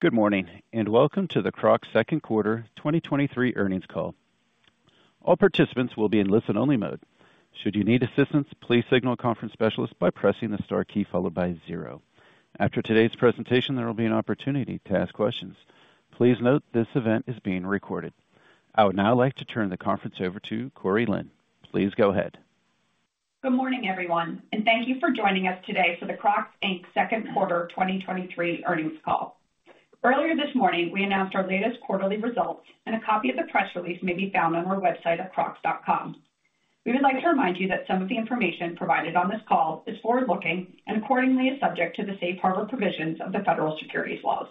Good morning, welcome to the Crocs Q2 2023 earnings call. All participants will be in listen-only mode. Should you need assistance, please signal a conference specialist by pressing the star key followed by zero. After today's presentation, there will be an opportunity to ask questions. Please note this event is being recorded. I would now like to turn the conference over to Corinne Lin. Please go ahead. Good morning, everyone. Thank you for joining us today for the Crocs Inc. Q2 2023 earnings call. Earlier this morning, we announced our latest quarterly results, and a copy of the press release may be found on our website at crocs.com. We would like to remind you that some of the information provided on this call is forward-looking and accordingly, is subject to the safe harbor provisions of the federal securities laws.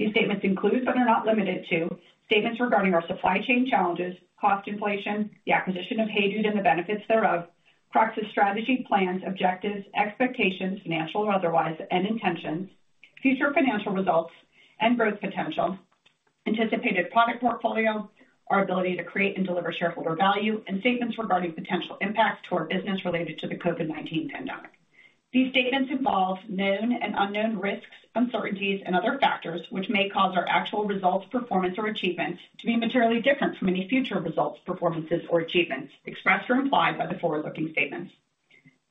These statements include, but are not limited to, statements regarding our supply chain challenges, cost inflation, the acquisition of HEYDUDE and the benefits thereof, Crocs' strategy, plans, objectives, expectations, financial or otherwise, and intentions, future financial results and growth potential, anticipated product portfolio, our ability to create and deliver shareholder value, and statements regarding potential impacts to our business related to the COVID-19 pandemic. These statements involve known and unknown risks, uncertainties, and other factors which may cause our actual results, performance, or achievements to be materially different from any future results, performances or achievements expressed or implied by the forward-looking statements.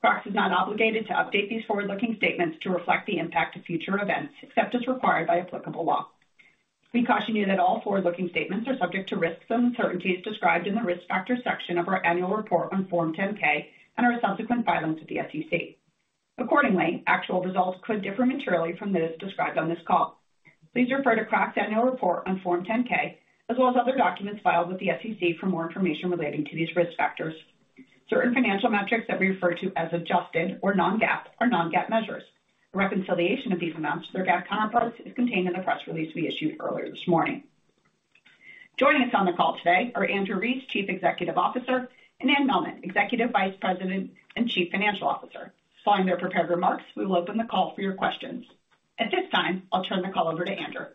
Crocs is not obligated to update these forward-looking statements to reflect the impact of future events, except as required by applicable law. We caution you that all forward-looking statements are subject to risks and uncertainties described in the Risk Factors section of our annual report on Form 10-K and our subsequent filings with the SEC. Accordingly, actual results could differ materially from those described on this call. Please refer to Crocs annual report on Form 10-K as well as other documents filed with the SEC for more information relating to these risk factors. Certain financial metrics that we refer to as adjusted or non-GAAP are non-GAAP measures. The reconciliation of these amounts to their GAAP counterparts is contained in the press release we issued earlier this morning. Joining us on the call today are Andrew Rees, Chief Executive Officer, and Anne Mehlman, Executive Vice President and Chief Financial Officer. Following their prepared remarks, we will open the call for your questions. At this time, I'll turn the call over to Andrew.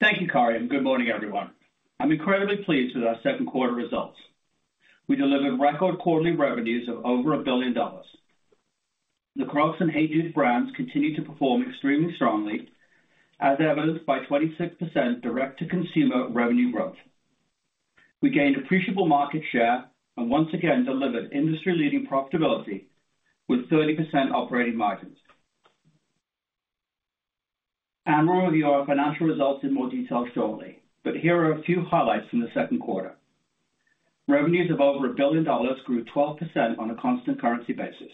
Thank you, Corrine, good morning, everyone. I'm incredibly pleased with our Q2 results. We delivered record quarterly revenues of over $1 billion. The Crocs and HEYDUDE brands continue to perform extremely strongly, as evidenced by 26% direct-to-consumer revenue growth. We gained appreciable market share and once again delivered industry-leading profitability with 30% operating margins. Ann will review our financial results in more detail shortly, but here are a few highlights from the Q2. Revenues of over $1 billion grew 12% on a constant currency basis.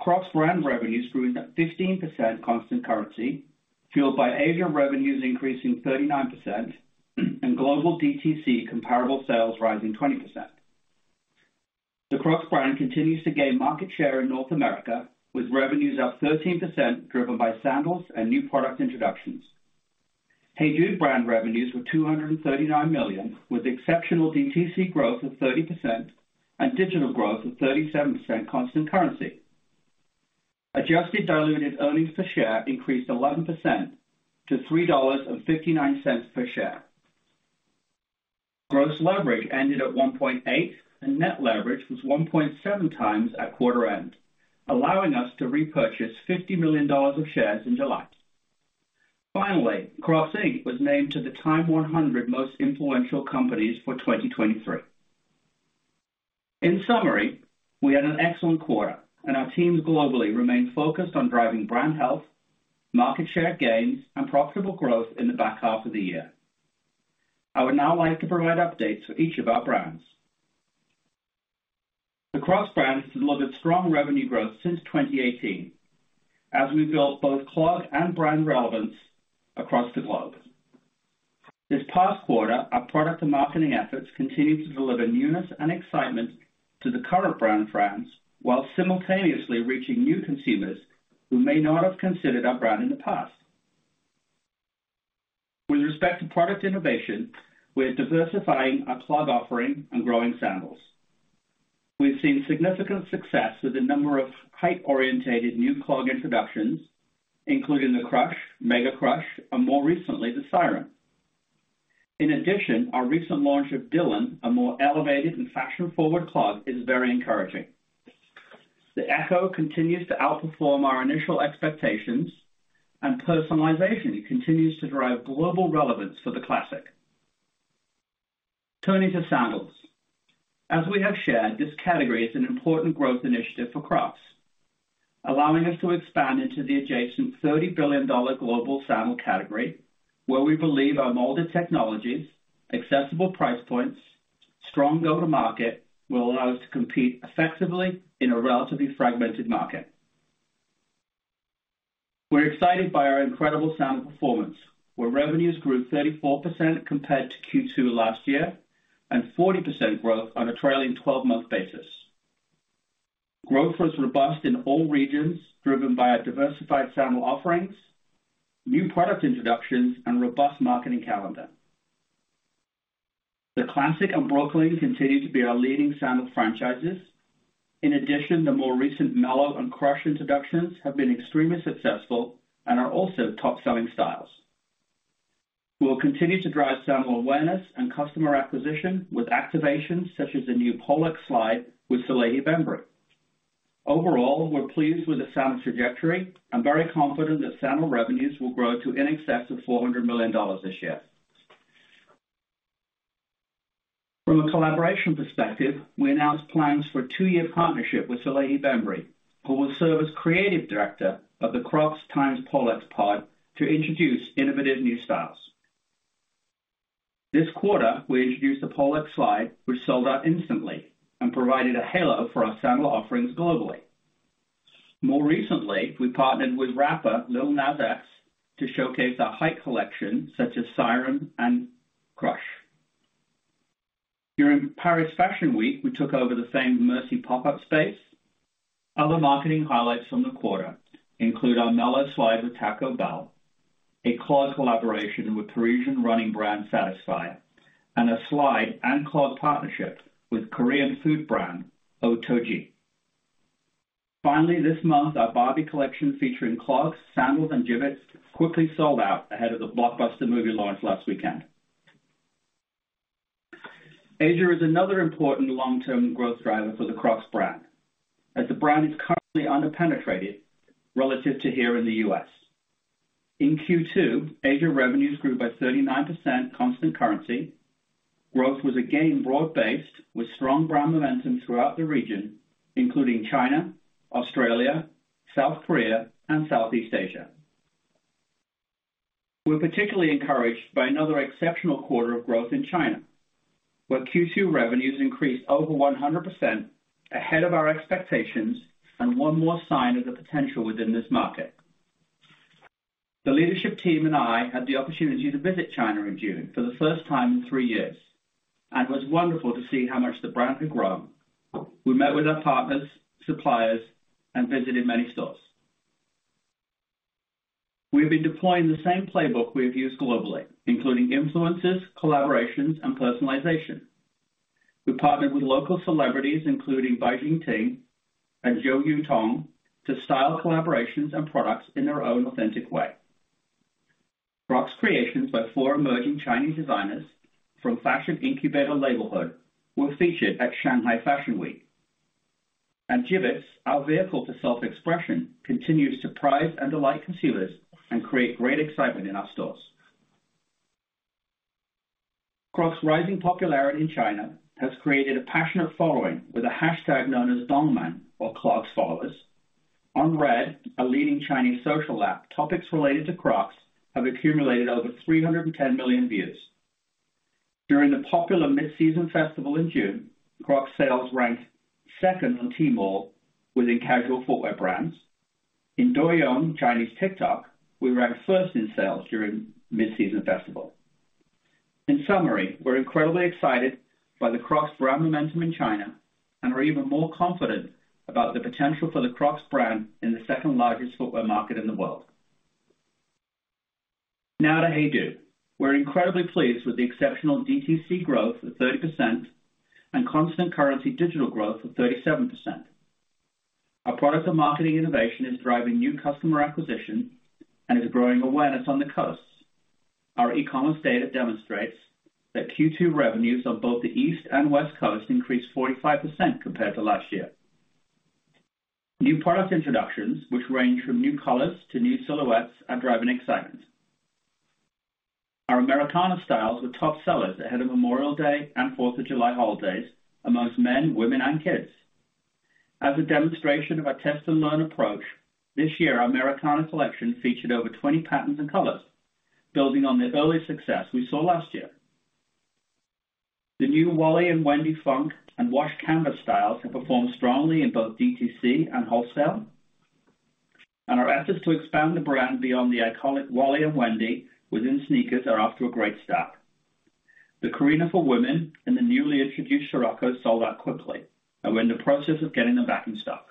Crocs brand revenues grew 15% constant currency, fueled by Asian revenues increasing 39% and global DTC comparable sales rising 20%. The Crocs brand continues to gain market share in North America, with revenues up 13%, driven by sandals and new product introductions. HEYDUDE brand revenues were $239 million, with exceptional DTC growth of 30% and digital growth of 37% constant currency. Adjusted diluted earnings per share increased 11% to $3.59 per share. Gross leverage ended at 1.8x, and net leverage was 1.7x at quarter end, allowing us to repurchase $50 million of shares in July. Finally, Crocs, Inc. was named to the TIME100 Most Influential Companies for 2023. In summary, we had an excellent quarter and our teams globally remain focused on driving brand health, market share gains, and profitable growth in the back half of the year. I would now like to provide updates for each of our brands. The Crocs brand has delivered strong revenue growth since 2018 as we built both clog and brand relevance across the globe. This past quarter, our product and marketing efforts continued to deliver newness and excitement to the current brand, while simultaneously reaching new consumers who may not have considered our brand in the past. With respect to product innovation, we are diversifying our clog offering and growing sandals. We've seen significant success with a number of height-orientated new clog introductions, including the Crush, Mega Crush, and more recently, the Siren. In addition, our recent launch of Dylan, a more elevated and fashion-forward clog, is very encouraging. The Echo continues to outperform our initial expectations, and personalization continues to drive global relevance for the Classic. Turning to sandals. As we have shared, this category is an important growth initiative for Crocs, allowing us to expand into the adjacent $30 billion global sandal category, where we believe our molded technologies, accessible price points, strong go-to-market, will allow us to compete effectively in a relatively fragmented market. We're excited by our incredible sandal performance, where revenues grew 34% compared to Q2 last year and 40% growth on a trailing twelve-month basis. Growth was robust in all regions, driven by our diversified sandal offerings, new product introductions, and robust marketing calendar. The Classic and Brooklyn continue to be our leading sandal franchises. In addition, the more recent Mellow and Crush introductions have been extremely successful and are also top-selling styles. We will continue to drive sandal awareness and customer acquisition with activations such as the new Pollex slide with Salehe Bembury. Overall, we're pleased with the sandal trajectory. I'm very confident that sandal revenues will grow to in excess of $400 million this year. From a collaboration perspective, we announced plans for a two-year partnership with Salehe Bembury, who will serve as creative director of the Crocs times Pollex Pod to introduce innovative new styles. This quarter, we introduced the Pollex slide, which sold out instantly and provided a halo for our sandal offerings globally. More recently, we partnered with rapper Lil Nas X to showcase our height collection, such as Siren and Crush. During Paris Fashion Week, we took over the same Merci pop-up space. Other marketing highlights from the quarter include our Mellow Slide with Taco Bell, a clog collaboration with Parisian running brand Satisfy, and a slide and clog partnership with Korean food brand Ottogi. Finally, this month, our Barbie collection, featuring clogs, sandals and Jibbitz, quickly sold out ahead of the blockbuster movie launch last weekend. Asia is another important long-term growth driver for the Crocs brand, as the brand is currently under-penetrated relative to here in the U.S. In Q2, Asia revenues grew by 39% constant currency. Growth was again broad-based, with strong brand momentum throughout the region, including China, Australia, South Korea, and Southeast Asia. We're particularly encouraged by another exceptional quarter of growth in China, where Q2 revenues increased over 100% ahead of our expectations and one more sign of the potential within this market. The leadership team and I had the opportunity to visit China in June for the first time in three years. It was wonderful to see how much the brand had grown. We met with our partners, suppliers, and visited many stores. We've been deploying the same playbook we have used globally, including influences, collaborations, and personalization. We partnered with local celebrities, including Bai Jingting and Zhou Yutong, to style collaborations and products in their own authentic way. Crocs creations by four emerging Chinese designers from fashion incubator Labelhood were featured at Shanghai Fashion Week. Jibbitz, our vehicle to self-expression, continues to surprise and delight consumers and create great excitement in our stores. Crocs rising popularity in China has created a passionate following with a hashtag known as Dongman or clogs followers. On Red, a leading Chinese social app, topics related to Crocs have accumulated over 310 million views. During the popular mid-season festival in June, Crocs sales ranked second on Tmall within casual footwear brands. In Douyin, Chinese TikTok, we ranked first in sales during mid-season festival. In summary, we're incredibly excited by the Crocs brand momentum in China. We're even more confident about the potential for the Crocs brand in the second-largest footwear market in the world. To HEYDUDE. We're incredibly pleased with the exceptional DTC growth of 30% and constant currency digital growth of 37%. Our product and marketing innovation is driving new customer acquisition and is growing awareness on the coasts. Our e-commerce data demonstrates that Q2 revenues on both the East and West Coast increased 45% compared to last year. New product introductions, which range from new colors to new silhouettes, are driving excitement. Our Americana styles were top sellers ahead of Memorial Day and Fourth of July holidays amongst men, women, and kids. As a demonstration of our test and learn approach, this year, our Americana collection featured over 20 patterns and colors, building on the early success we saw last year. The new Wally and Wendy Funk and washed canvas styles have performed strongly in both DTC and wholesale. Our efforts to expand the brand beyond the iconic Wally and Wendy within sneakers are off to a great start. The Karina for women and the newly introduced Rocco sold out quickly, and we're in the process of getting them back in stock.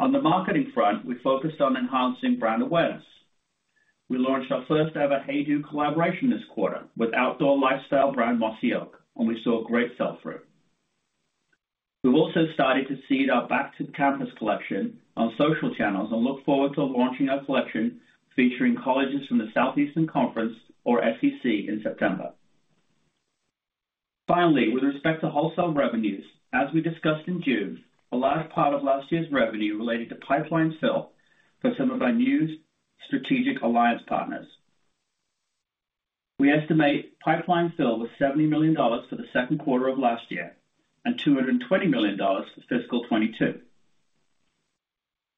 On the marketing front, we focused on enhancing brand awareness. We launched our first-ever HEYDUDE collaboration this quarter with outdoor lifestyle brand Mossy Oak, and we saw a great sell-through. We've also started to seed our back-to-campus collection on social channels and look forward to launching our collection featuring colleges from the Southeastern Conference, or SEC, in September. Finally, with respect to wholesale revenues, as we discussed in June, a large part of last year's revenue related to pipeline fill for some of our new strategic alliance partners. We estimate pipeline fill was $70 million for the Q2 of last year and $220 million for fiscal 2022.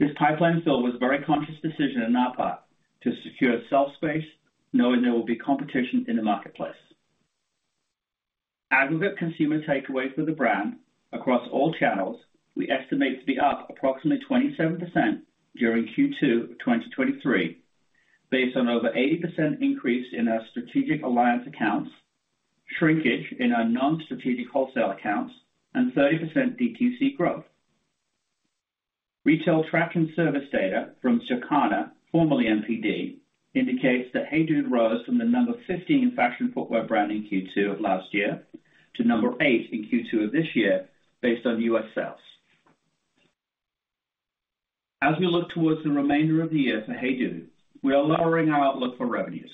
This pipeline fill was a very conscious decision on our part to secure shelf space, knowing there will be competition in the marketplace. Aggregate consumer takeaways for the brand across all channels, we estimate to be up approximately 27% during Q2 of 2023, based on over 80% increase in our strategic alliance accounts, shrinkage in our non-strategic wholesale accounts, and 30% DTC growth. Retail track and service data from Circana, formerly NPD, indicates that HEYDUDE rose from the number 15 in fashion footwear brand in Q2 of last year to number eight in Q2 of this year, based on US sales. As we look towards the remainder of the year for HEYDUDE, we are lowering our outlook for revenues.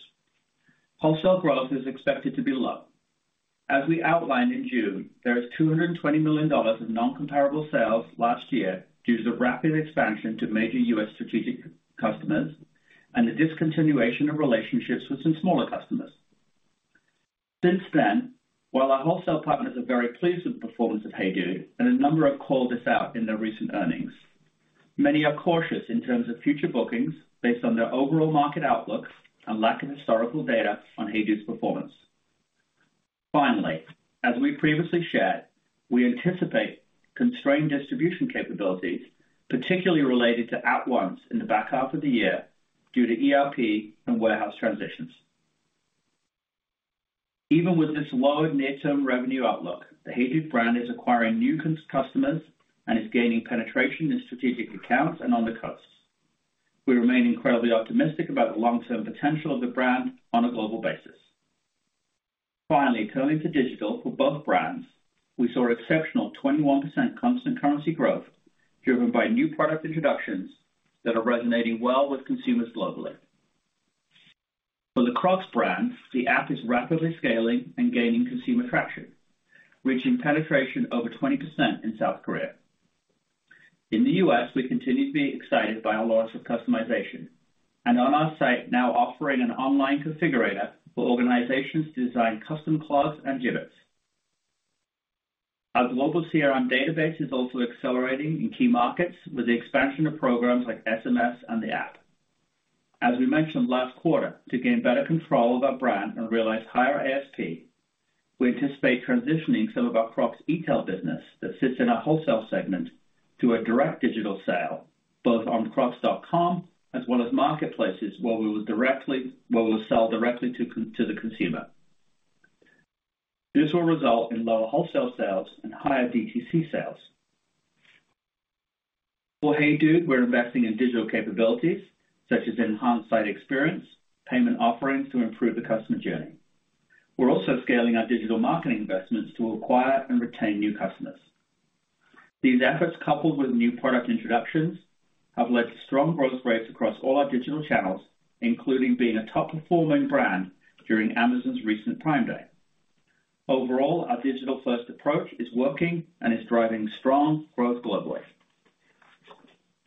Wholesale growth is expected to be low. As we outlined in June, there is $220 million of non-comparable sales last year due to the rapid expansion to major US strategic customers and the discontinuation of relationships with some smaller customers. Since then, while our wholesale partners are very pleased with the performance of HEYDUDE, and a number have called this out in their recent earnings, many are cautious in terms of future bookings based on their overall market outlook and lack of historical data on HEYDUDE's performance. Finally, as we previously shared, we anticipate constrained distribution capabilities, particularly related to at-once in the back half of the year, due to ERP and warehouse transitions. Even with this lowered near-term revenue outlook, the HEYDUDE brand is acquiring new customers and is gaining penetration in strategic accounts and on the coasts. We remain incredibly optimistic about the long-term potential of the brand on a global basis. Finally, turning to digital for both brands, we saw exceptional 21% constant currency growth, driven by new product introductions that are resonating well with consumers globally. For the Crocs brand, the app is rapidly scaling and gaining consumer traction, reaching penetration over 20% in South Korea. In the U.S., we continue to be excited by our launch of customization, and on our site now offering an online configurator for organizations to design custom clogs and Jibbitz. Our global CRM database is also accelerating in key markets with the expansion of programs like SMS and the app. As we mentioned last quarter, to gain better control of our brand and realize higher ASP, we anticipate transitioning some of our Crocs e-tail business that sits in our wholesale segment to a direct digital sale, both on crocs.com as well as marketplaces, where we'll sell directly to the consumer. This will result in lower wholesale sales and higher DTC sales. For HEYDUDE, we're investing in digital capabilities such as enhanced site experience, payment offerings to improve the customer journey. We're also scaling our digital marketing investments to acquire and retain new customers. These efforts, coupled with new product introductions, have led to strong growth rates across all our digital channels, including being a top-performing brand during Amazon's recent Prime Day. Overall, our digital-first approach is working and is driving strong growth globally.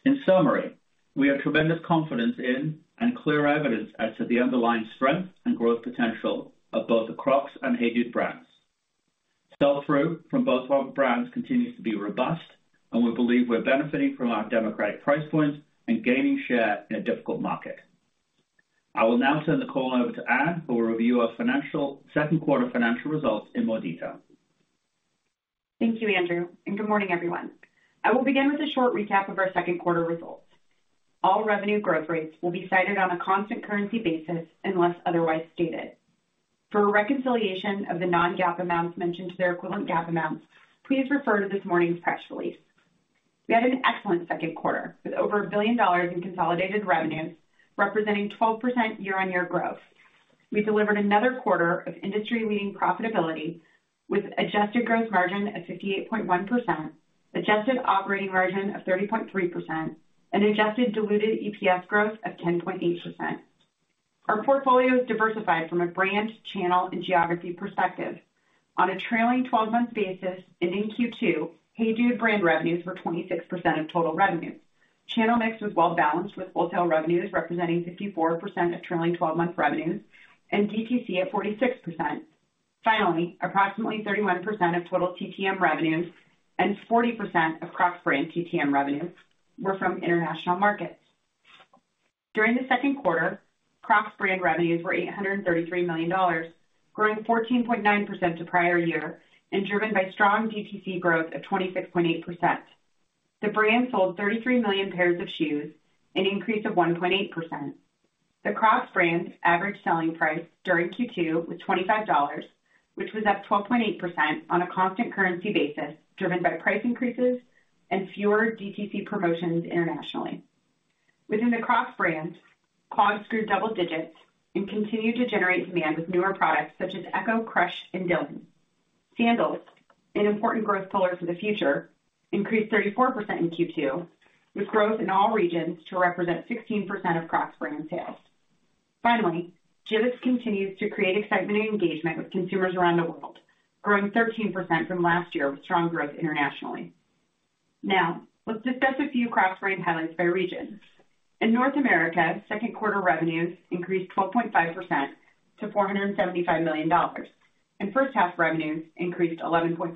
In summary, we have tremendous confidence in, and clear evidence as to the underlying strength and growth potential of both the Crocs and HEYDUDE brands. Sell-through from both of our brands continues to be robust, and we believe we're benefiting from our democratic price points and gaining share in a difficult market. I will now turn the call over to Anne for a review of Q2 financial results in more detail. Thank you, Andrew. Good morning, everyone. I will begin with a short recap of our Q2 results. All revenue growth rates will be cited on a constant currency basis, unless otherwise stated. For a reconciliation of the non-GAAP amounts mentioned to their equivalent GAAP amounts, please refer to this morning's press release. We had an excellent Q2, with over $1 billion in consolidated revenues, representing 12% year-on-year growth. We delivered another quarter of industry-leading profitability, with adjusted gross margin at 58.1%, adjusted operating margin of 30.3%, and adjusted diluted EPS growth of 10.8%. Our portfolio is diversified from a brand, channel, and geography perspective. On a trailing 12 month basis, ending Q2, HEYDUDE brand revenues were 26% of total revenues. Channel mix was well balanced, with wholesale revenues representing 54% of trailing twelve-month revenues and DTC at 46%. Approximately 31% of total TTM revenues and 40% of Crocs brand TTM revenues were from international markets. During the Q2, Crocs brand revenues were $833 million, growing 14.9% to prior year and driven by strong DTC growth of 26.8%. The brand sold 33 million pairs of shoes, an increase of 1.8%. The Crocs brand's average selling price during Q2 was $25, which was up 12.8% on a constant currency basis, driven by price increases and fewer DTC promotions internationally. Within the Crocs brand, clogs grew double digits and continued to generate demand with newer products such as Echo, Crush, and Dylan. Sandals, an important growth pillar for the future, increased 34% in Q2, with growth in all regions to represent 16% of Crocs brand sales. Finally, Jibbitz continues to create excitement and engagement with consumers around the world, growing 13% from last year, with strong growth internationally. Now, let's discuss a few Crocs brand highlights by region. In North America, Q2 revenues increased 12.5% to $475 million, and first half revenues increased 11.5%.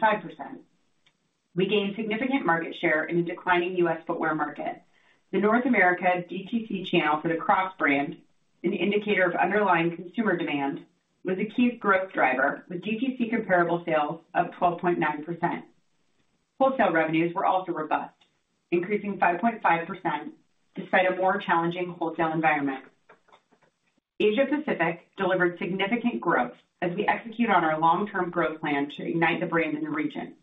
We gained significant market share in a declining U.S. footwear market. The North America DTC channel for the Crocs brand, an indicator of underlying consumer demand, was a key growth driver, with DTC comparable sales of 12.9%. Wholesale revenues were also robust, increasing 5.5% despite a more challenging wholesale environment. Asia Pacific delivered significant growth as we execute on our long-term growth plan to ignite the brand in the region.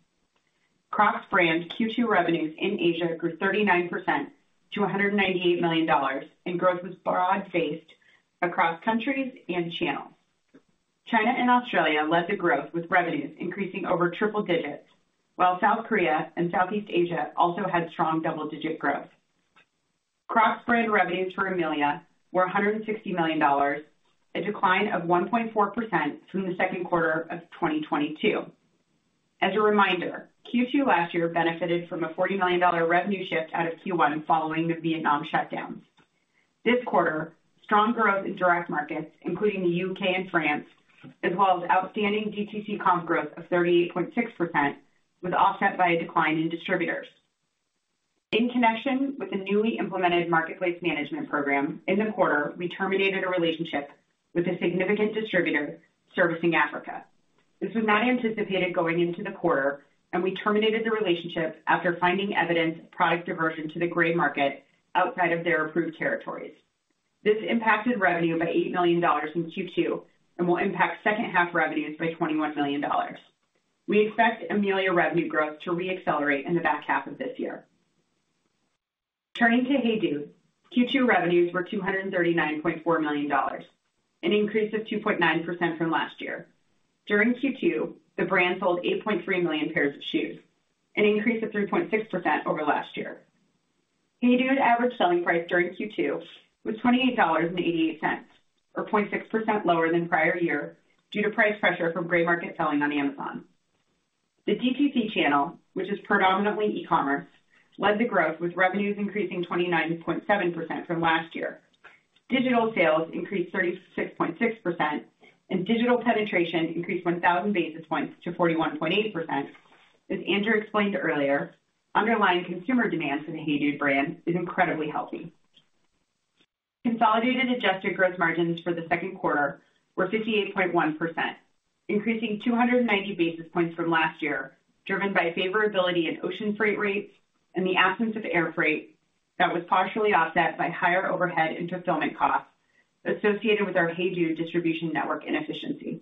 Crocs brand Q2 revenues in Asia grew 39% to $198 million. Growth was broad-based across countries and channels. China and Australia led the growth, with revenues increasing over triple digits, while South Korea and Southeast Asia also had strong double-digit growth. Crocs brand revenues for EMEALA were $160 million, a decline of 1.4% from the Q2 of 2022. As a reminder, Q2 last year benefited from a $40 million revenue shift out of Q1 following the Vietnam shutdowns. This quarter, strong growth in direct markets, including the UK and France, as well as outstanding DTC comp growth of 38.6%, was offset by a decline in distributors. In connection with the newly implemented marketplace management program, in the quarter, we terminated a relationship with a significant distributor servicing Africa. This was not anticipated going into the quarter, and we terminated the relationship after finding evidence of product diversion to the gray market outside of their approved territories. This impacted revenue by $8 million in Q2, and will impact second half revenues by $21 million. We expect EMEALA revenue growth to reaccelerate in the back half of this year. Turning to HEYDUDE, Q2 revenues were $239.4 million, an increase of 2.9% from last year. During Q2, the brand sold 8.3 million pairs of shoes, an increase of 3.6% over last year. HEYDUDE average selling price during Q2 was $28.88, or 0.6% lower than prior year, due to price pressure from gray market selling on Amazon. The DTC channel, which is predominantly e-commerce, led the growth, with revenues increasing 29.7% from last year. Digital sales increased 36.6%, and digital penetration increased 1,000 basis points to 41.8%. As Andrew explained earlier, underlying consumer demand for the HEYDUDE brand is incredibly healthy. Consolidated adjusted gross margins for the Q2 were 58.1%, increasing 290 basis points from last year, driven by favorability in ocean freight rates and the absence of air freight that was partially offset by higher overhead and fulfillment costs associated with our HEYDUDE distribution network inefficiency.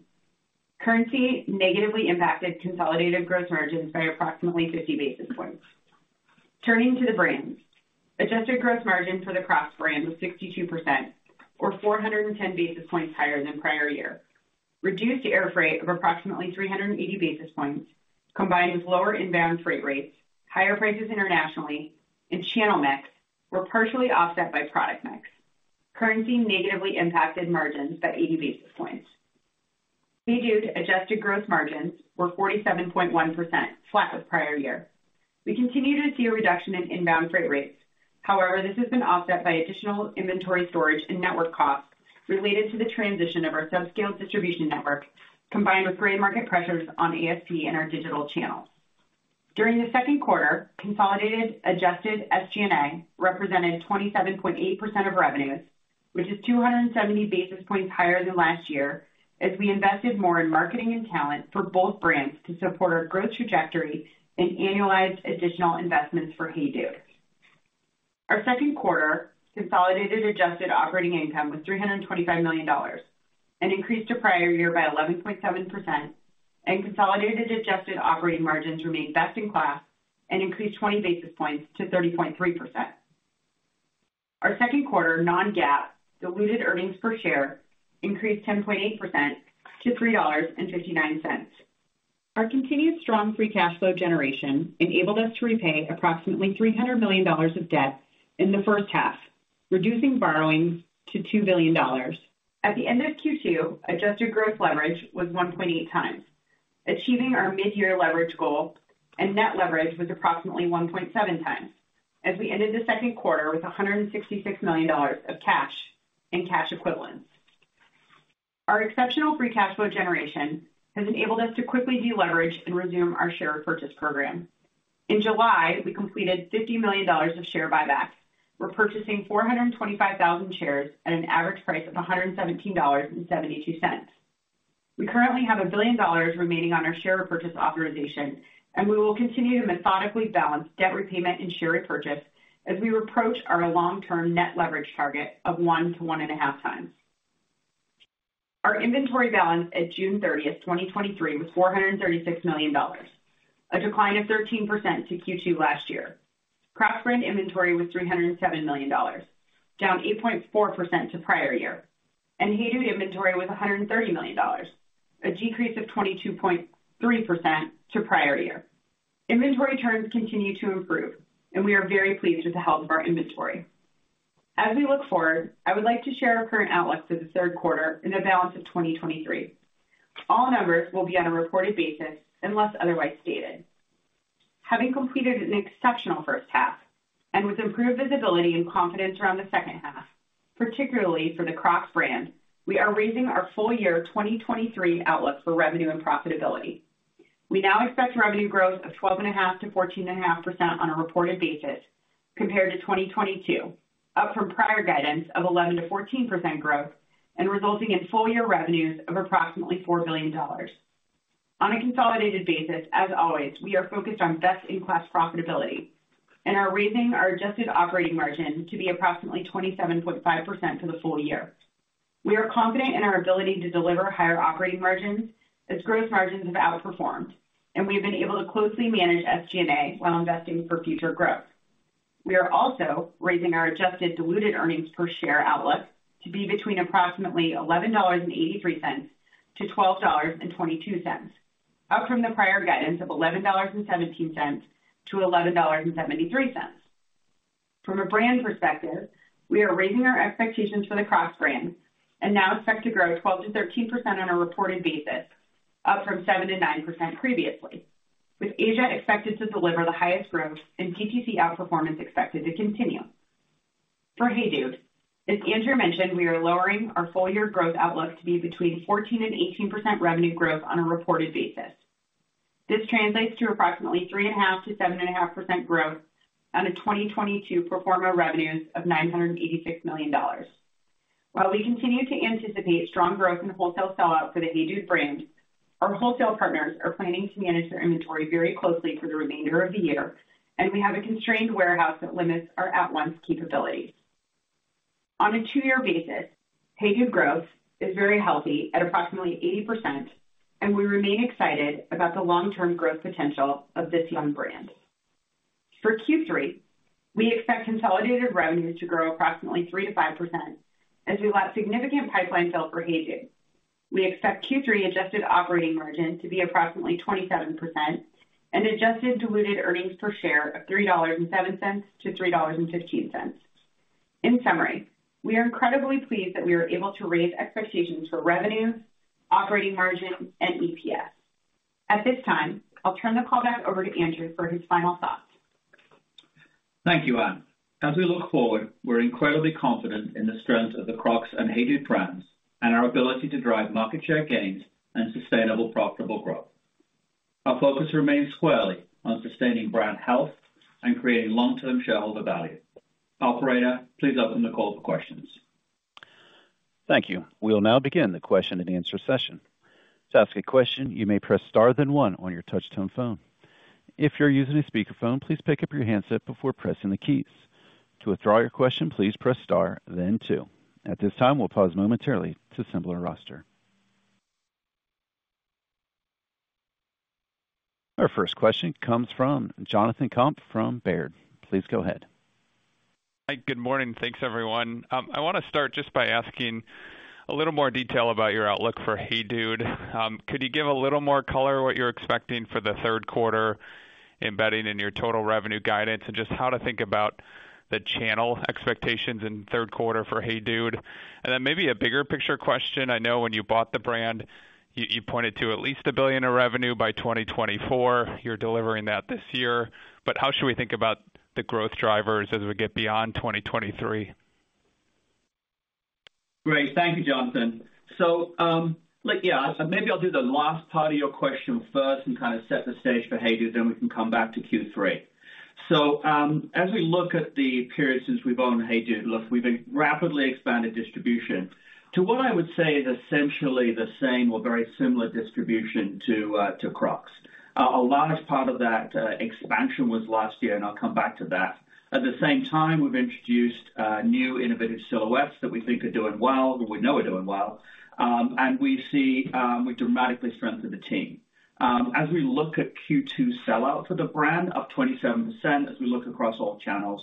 Currency negatively impacted consolidated gross margins by approximately 50 basis points. Turning to the brands. Adjusted gross margin for the Crocs brand was 62%, or 410 basis points higher than prior year. Reduced air freight of approximately 380 basis points, combined with lower inbound freight rates, higher prices internationally, and channel mix, were partially offset by product mix. Currency negatively impacted margins by 80 basis points. HEYDUDE adjusted gross margins were 47.1%, flat with prior year. We continue to see a reduction in inbound freight rates. However, this has been offset by additional inventory storage and network costs related to the transition of our subscale distribution network, combined with gray market pressures on ASP in our digital channel. During the Q2, consolidated adjusted SG&A represented 27.8% of revenues, which is 270 basis points higher than last year, as we invested more in marketing and talent for both brands to support our growth trajectory and annualized additional investments for HEYDUDE. Our Q2 consolidated adjusted operating income was $325 million, and increased to prior year by 11.7%, and consolidated adjusted operating margins remained best in class and increased 20 basis points to 30.3%. Our Q2 non-GAAP diluted earnings per share increased 10.8% to $3.59. Our continued strong free cash flow generation enabled us to repay approximately $300 million of debt in the first half, reducing borrowings to $2 billion. At the end of Q2, adjusted gross leverage was 1.8x, achieving our mid-year leverage goal, and net leverage was approximately 1.7x, as we ended the Q2 with $166 million of cash and cash equivalents. Our exceptional free cash flow generation has enabled us to quickly deleverage and resume our share repurchase program. In July, we completed $50 million of share buyback. We're purchasing 425,000 shares at an average price of $117.72. We currently have $1 billion remaining on our share repurchase authorization, and we will continue to methodically balance debt repayment and share repurchase as we approach our long-term net leverage target of 1x to 1.5x. Our inventory balance at 30 June 2023, was $436 million, a decline of 13% to Q2 last year. Crocs brand inventory was $307 million, down 8.4% to prior year, and HEYDUDE inventory was $130 million, a decrease of 22.3% to prior year. Inventory turns continue to improve, and we are very pleased with the health of our inventory. As we look forward, I would like to share our current outlook for the Q3 and the balance of 2023. All numbers will be on a reported basis unless otherwise stated. Having completed an exceptional first half, and with improved visibility and confidence around the second half, particularly for the Crocs brand, we are raising our full year 2023 outlook for revenue and profitability. We now expect revenue growth of 12.5% to 14.5% on a reported basis compared to 2022, up from prior guidance of 11% to 14% growth, and resulting in full-year revenues of approximately $4 billion. On a consolidated basis, as always, we are focused on best-in-class profitability and are raising our adjusted operating margin to be approximately 27.5% for the full year. We are confident in our ability to deliver higher operating margins as gross margins have outperformed, and we have been able to closely manage SG&A while investing for future growth. We are also raising our adjusted diluted earnings per share outlook to be between approximately $11.83 to 12.22, up from the prior guidance of $11.17 to 11.73. From a brand perspective, we are raising our expectations for the Crocs brand and now expect to grow 12% to 13% on a reported basis, up from 7% to 9% previously, with Asia expected to deliver the highest growth and DTC outperformance expected to continue. For HEYDUDE, as Andrew mentioned, we are lowering our full year growth outlook to be between 14% and 18% revenue growth on a reported basis. This translates to approximately 3.5% to 7.5% growth on a 2022 pro forma revenues of $986 million. While we continue to anticipate strong growth in wholesale sell out for the HEYDUDE brand, our wholesale partners are planning to manage their inventory very closely for the remainder of the year, and we have a constrained warehouse that limits our at-once capabilities. On a two-year basis, HEYDUDE growth is very healthy at approximately 80%, and we remain excited about the long-term growth potential of this young brand. For Q3, we expect consolidated revenue to grow approximately 3% to 5% as we've got significant pipeline sales for HEYDUDE. We expect Q3 adjusted operating margin to be approximately 27% and adjusted diluted earnings per share of $3.07 to $3.15. In summary, we are incredibly pleased that we are able to raise expectations for revenue, operating margin, and EPS. At this time, I'll turn the call back over to Andrew for his final thoughts. Thank you, Anne. As we look forward, we're incredibly confident in the strength of the Crocs and HEYDUDE brands and our ability to drive market share gains and sustainable, profitable growth. Our focus remains squarely on sustaining brand health and creating long-term shareholder value. Operator, please open the call for questions. Thank you. We'll now begin the question-and-answer session. To ask a question, you may press star then one on your touchtone phone. If you're using a speakerphone, please pick up your handset before pressing the keys. To withdraw your question, please press star then two. At this time, we'll pause momentarily to assemble our roster. Our first question comes from Jonathan Komp from Baird. Please go ahead. Hi, good morning. Thanks, everyone. I want to start just by asking a little more detail about your outlook for HEYDUDE. Could you give a little more color what you're expecting for the Q3, embedding in your total revenue guidance and just how to think about the channel expectations in Q3 for HEYDUDE? Maybe a bigger picture question. I know when you bought the brand, you pointed to at least $1 billion in revenue by 2024. You're delivering that this year, but how should we think about the growth drivers as we get beyond 2023? Great. Thank you, Jonathan. Yeah, maybe I'll do the last part of your question first and kind of set the stage for HEYDUDE, then we can come back to Q3. As we look at the period since we've owned HEYDUDE, look, we've been rapidly expanded distribution to what I would say is essentially the same or very similar distribution to Crocs. A large part of that expansion was last year, and I'll come back to that. At the same time, we've introduced new innovative silhouettes that we think are doing well, or we know are doing well, and we see we dramatically strengthened the team. As we look at Q2 sellout for the brand, up 27% as we look across all channels,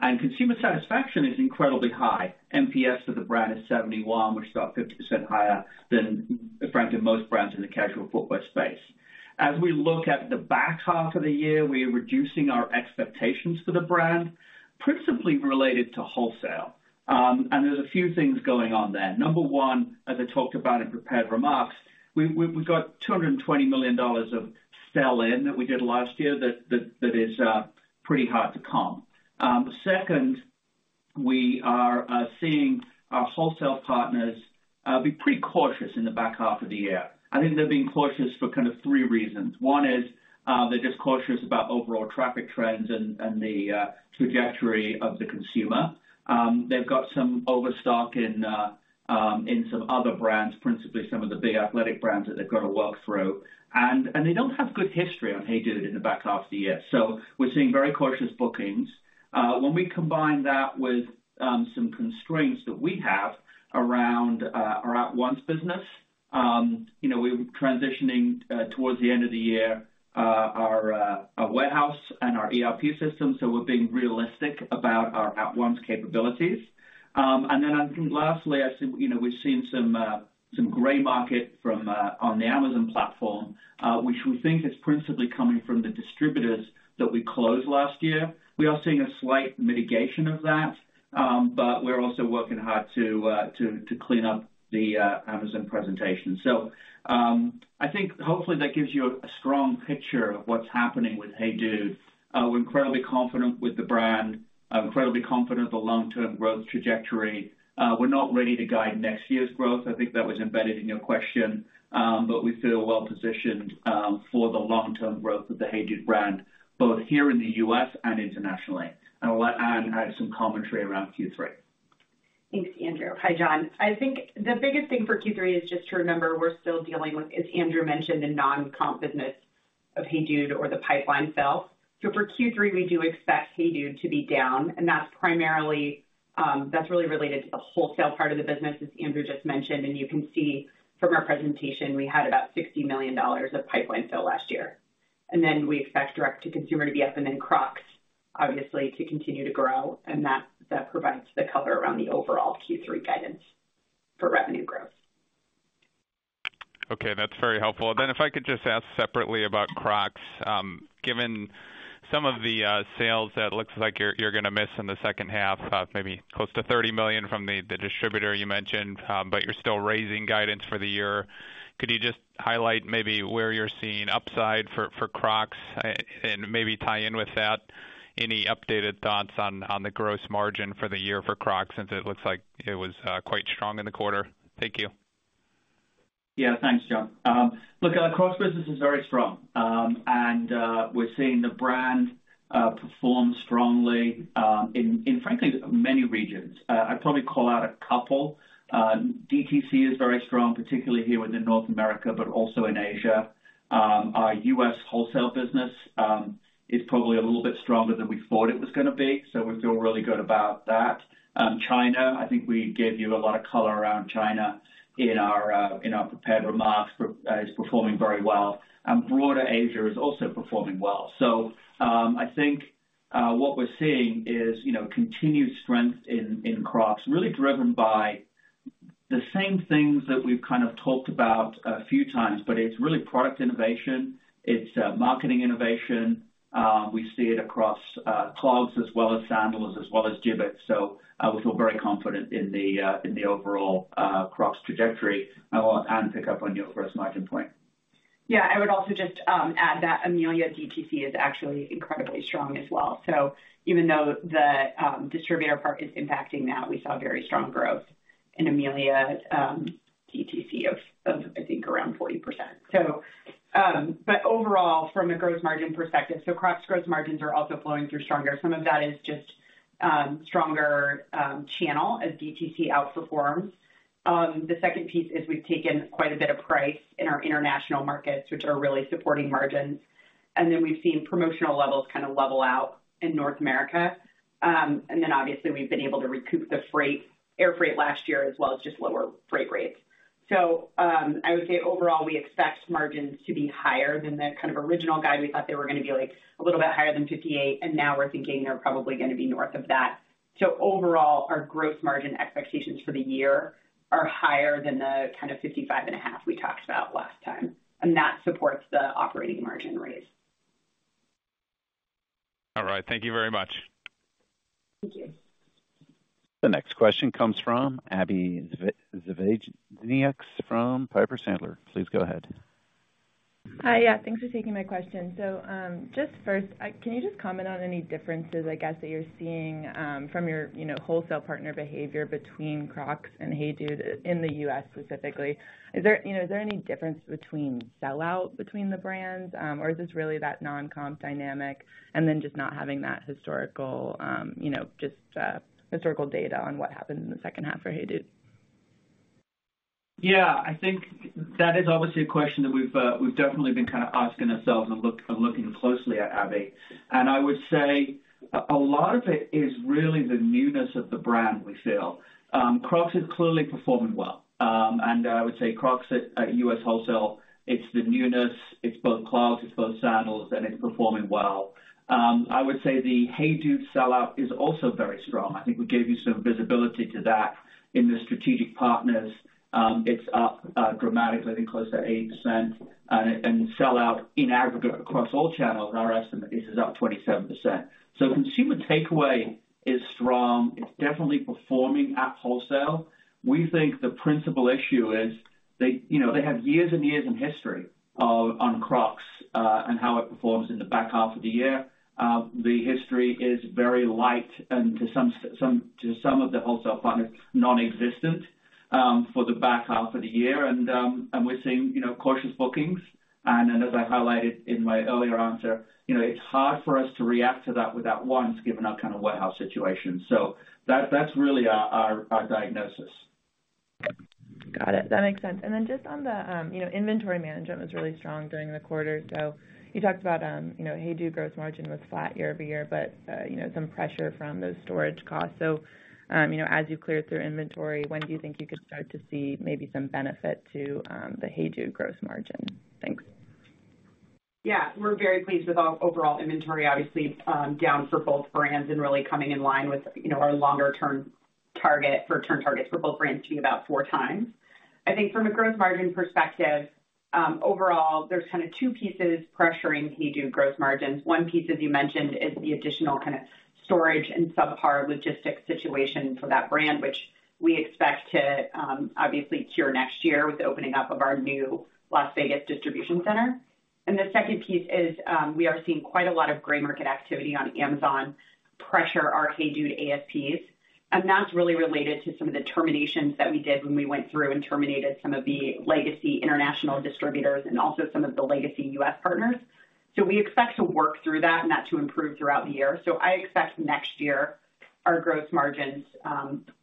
and consumer satisfaction is incredibly high. NPS for the brand is 71%, which is about 50% higher than, frankly, most brands in the casual footwear space. As we look at the back half of the year, we are reducing our expectations for the brand, principally related to wholesale. There's a few things going on there. Number one, as I talked about in prepared remarks, we got $220 million of sell-in that we did last year, that is pretty hard to come. Second, we are seeing our wholesale partners be pretty cautious in the back half of the year. I think they're being cautious for kind of three reasons. One is, they're just cautious about overall traffic trends and the trajectory of the consumer. They've got some overstock in some other brands, principally some of the big athletic brands that they've got to work through, and they don't have good history on HEYDUDE in the back half of the year. We're seeing very cautious bookings. When we combine that with some constraints that we have around our at-once business, you know, we're transitioning towards the end of the year, our warehouse and our ERP system, so we're being realistic about our at-once capabilities. Then lastly, I think, you know, we've seen some gray market from on the Amazon platform, which we think is principally coming from the distributors that we closed last year. We are seeing a slight mitigation of that, but we're also working hard to clean up the Amazon presentation. I think hopefully that gives you a strong picture of what's happening with HEYDUDE. We're incredibly confident with the brand, incredibly confident of the long-term growth trajectory. We're not ready to guide next year's growth i think that was embedded in your question, but we feel well positioned for the long-term growth of the HEYDUDE brand, both here in the U.S. and internationally. I'll let Anne add some commentary around Q3. Thanks, Andrew. Hi, Jon. I think the biggest thing for Q3 is just to remember we're still dealing with, as Andrew mentioned, the non-comp business of HEYDUDE or the pipeline sale. For Q3, we do expect HEYDUDE to be down, and that's primarily, that's really related to the wholesale part of the business, as Andrew just mentioned. You can see from our presentation, we had about $60 million of pipeline sale last year. Then we expect direct to consumer to be up and then Crocs, obviously, to continue to grow, and that provides the cover around the overall Q3 guidance for revenue growth. Okay, that's very helpful. If I could just ask separately about Crocs. Given some of the sales that looks like you're gonna miss in the second half, maybe close to $30 million from the distributor you mentioned, you're still raising guidance for the year. Could you just highlight maybe where you're seeing upside for Crocs, and maybe tie in with that any updated thoughts on the gross margin for the year for Crocs, since it looks like it was quite strong in the quarter? Thank you. Yeah, thanks, Jon. look, Crocs business is very strong, and we're seeing the brand perform strongly, in, in frankly, many regions. I'd probably call out a couple. DTC is very strong, particularly here within North America, but also in Asia. Our U.S. wholesale business is probably a little bit stronger than we thought it was gonna be, so we feel really good about that. China, I think we gave you a lot of color around China in our in our prepared remarks, is performing very well, and broader Asia is also performing well. I think what we're seeing is, you know, continued strength in, in Crocs, really driven by the same things that we've kind of talked about a few times, but it's really product innovation, it's marketing innovation. We see it across clogs as well as sandals, as well as Jibbitz. I would feel very confident in the overall Crocs trajectory. I want Anne to pick up on your gross margin point. I would also just add that EMEALA DTC is actually incredibly strong as well. Even though the distributor part is impacting that, we saw very strong growth in EMEALA DTC of, I think, around 40%. But overall, from a gross margin perspective, Crocs gross margins are also flowing through stronger. Some of that is just stronger channel as DTC outperforms. The second piece is we've taken quite a bit of price in our international markets, which are really supporting margins. Then we've seen promotional levels kind of level out in North America. Then obviously, we've been able to recoup the freight, air freight last year, as well as just lower freight rates. I would say overall, we expect margins to be higher than the kind of original guide we thought they were gonna be, like, a little bit higher than 58%, now we're thinking they're probably gonna be north of that. Overall, our gross margin expectations for the year are higher than the kind of 55.5% we talked about last time, and that supports the operating margin raise. All right. Thank you very much. Thank you. The next question comes from Abbie Zvejnieks, Zvejnieks from Piper Sandler. Please go ahead. Hi, yeah, thanks for taking my question. Just first, can you just comment on any differences, I guess, that you're seeing, from your, you know, wholesale partner behavior between Crocs and HEYDUDE in the U.S. specifically? Is there, you know, is there any difference between sell-out between the brands, or is this really that non-comp dynamic and then just not having that historical, you know, just historical data on what happened in the second half for HEYDUDE? Yeah, I think that is obviously a question that we've definitely been kind of asking ourselves and looking closely at Abby. I would say a lot of it is really the newness of the brand we sell. Crocs is clearly performing well. I would say Crocs at U.S. Wholesale, it's the newness, it's both clogs, it's both sandals, and it's performing well. I would say the HEYDUDE sellout is also very strong. I think we gave you some visibility to that in the strategic partners. It's up dramatically, I think, close to 80%. Sell out in aggregate across all channels, and our estimate is up 27%. Consumer takeaway is strong. It's definitely performing at wholesale. We think the principal issue is they, you know, they have years and years in history on Crocs and how it performs in the back half of the year. The history is very light and to some of the wholesale partners, non-existent for the back half of the year. We're seeing, you know, cautious bookings. As I highlighted in my earlier answer, you know, it's hard for us to react to that without one, given our kind of warehouse situation. That's really our, our, our diagnosis. Got it. That makes sense just on the, you know, inventory management was really strong during the quarter. You talked about, you know, HEYDUDE gross margin was flat year-over-year, but, you know, some pressure from those storage costs. As you cleared through inventory, when do you think you could start to see maybe some benefit to the HEYDUDE gross margin? Thanks. Yeah, we're very pleased with our overall inventory, obviously, down for both brands and really coming in line with, you know, our longer-term target for turn targets for both brands being about four times. I think from a gross margin perspective, overall, there's kind of two pieces pressuring HEYDUDE gross margins. One piece, as you mentioned, is the additional kind of storage and subpar logistics situation for that brand, which we expect to obviously cure next year with the opening up of our new Las Vegas distribution center. The second piece is we are seeing quite a lot of gray market activity on Amazon pressure our HEYDUDE AFPs, and that's really related to some of the terminations that we did when we went through and terminated some of the legacy international distributors and also some of the legacy U.S. partners. We expect to work through that, and that to improve throughout the year. I expect next year, our gross margins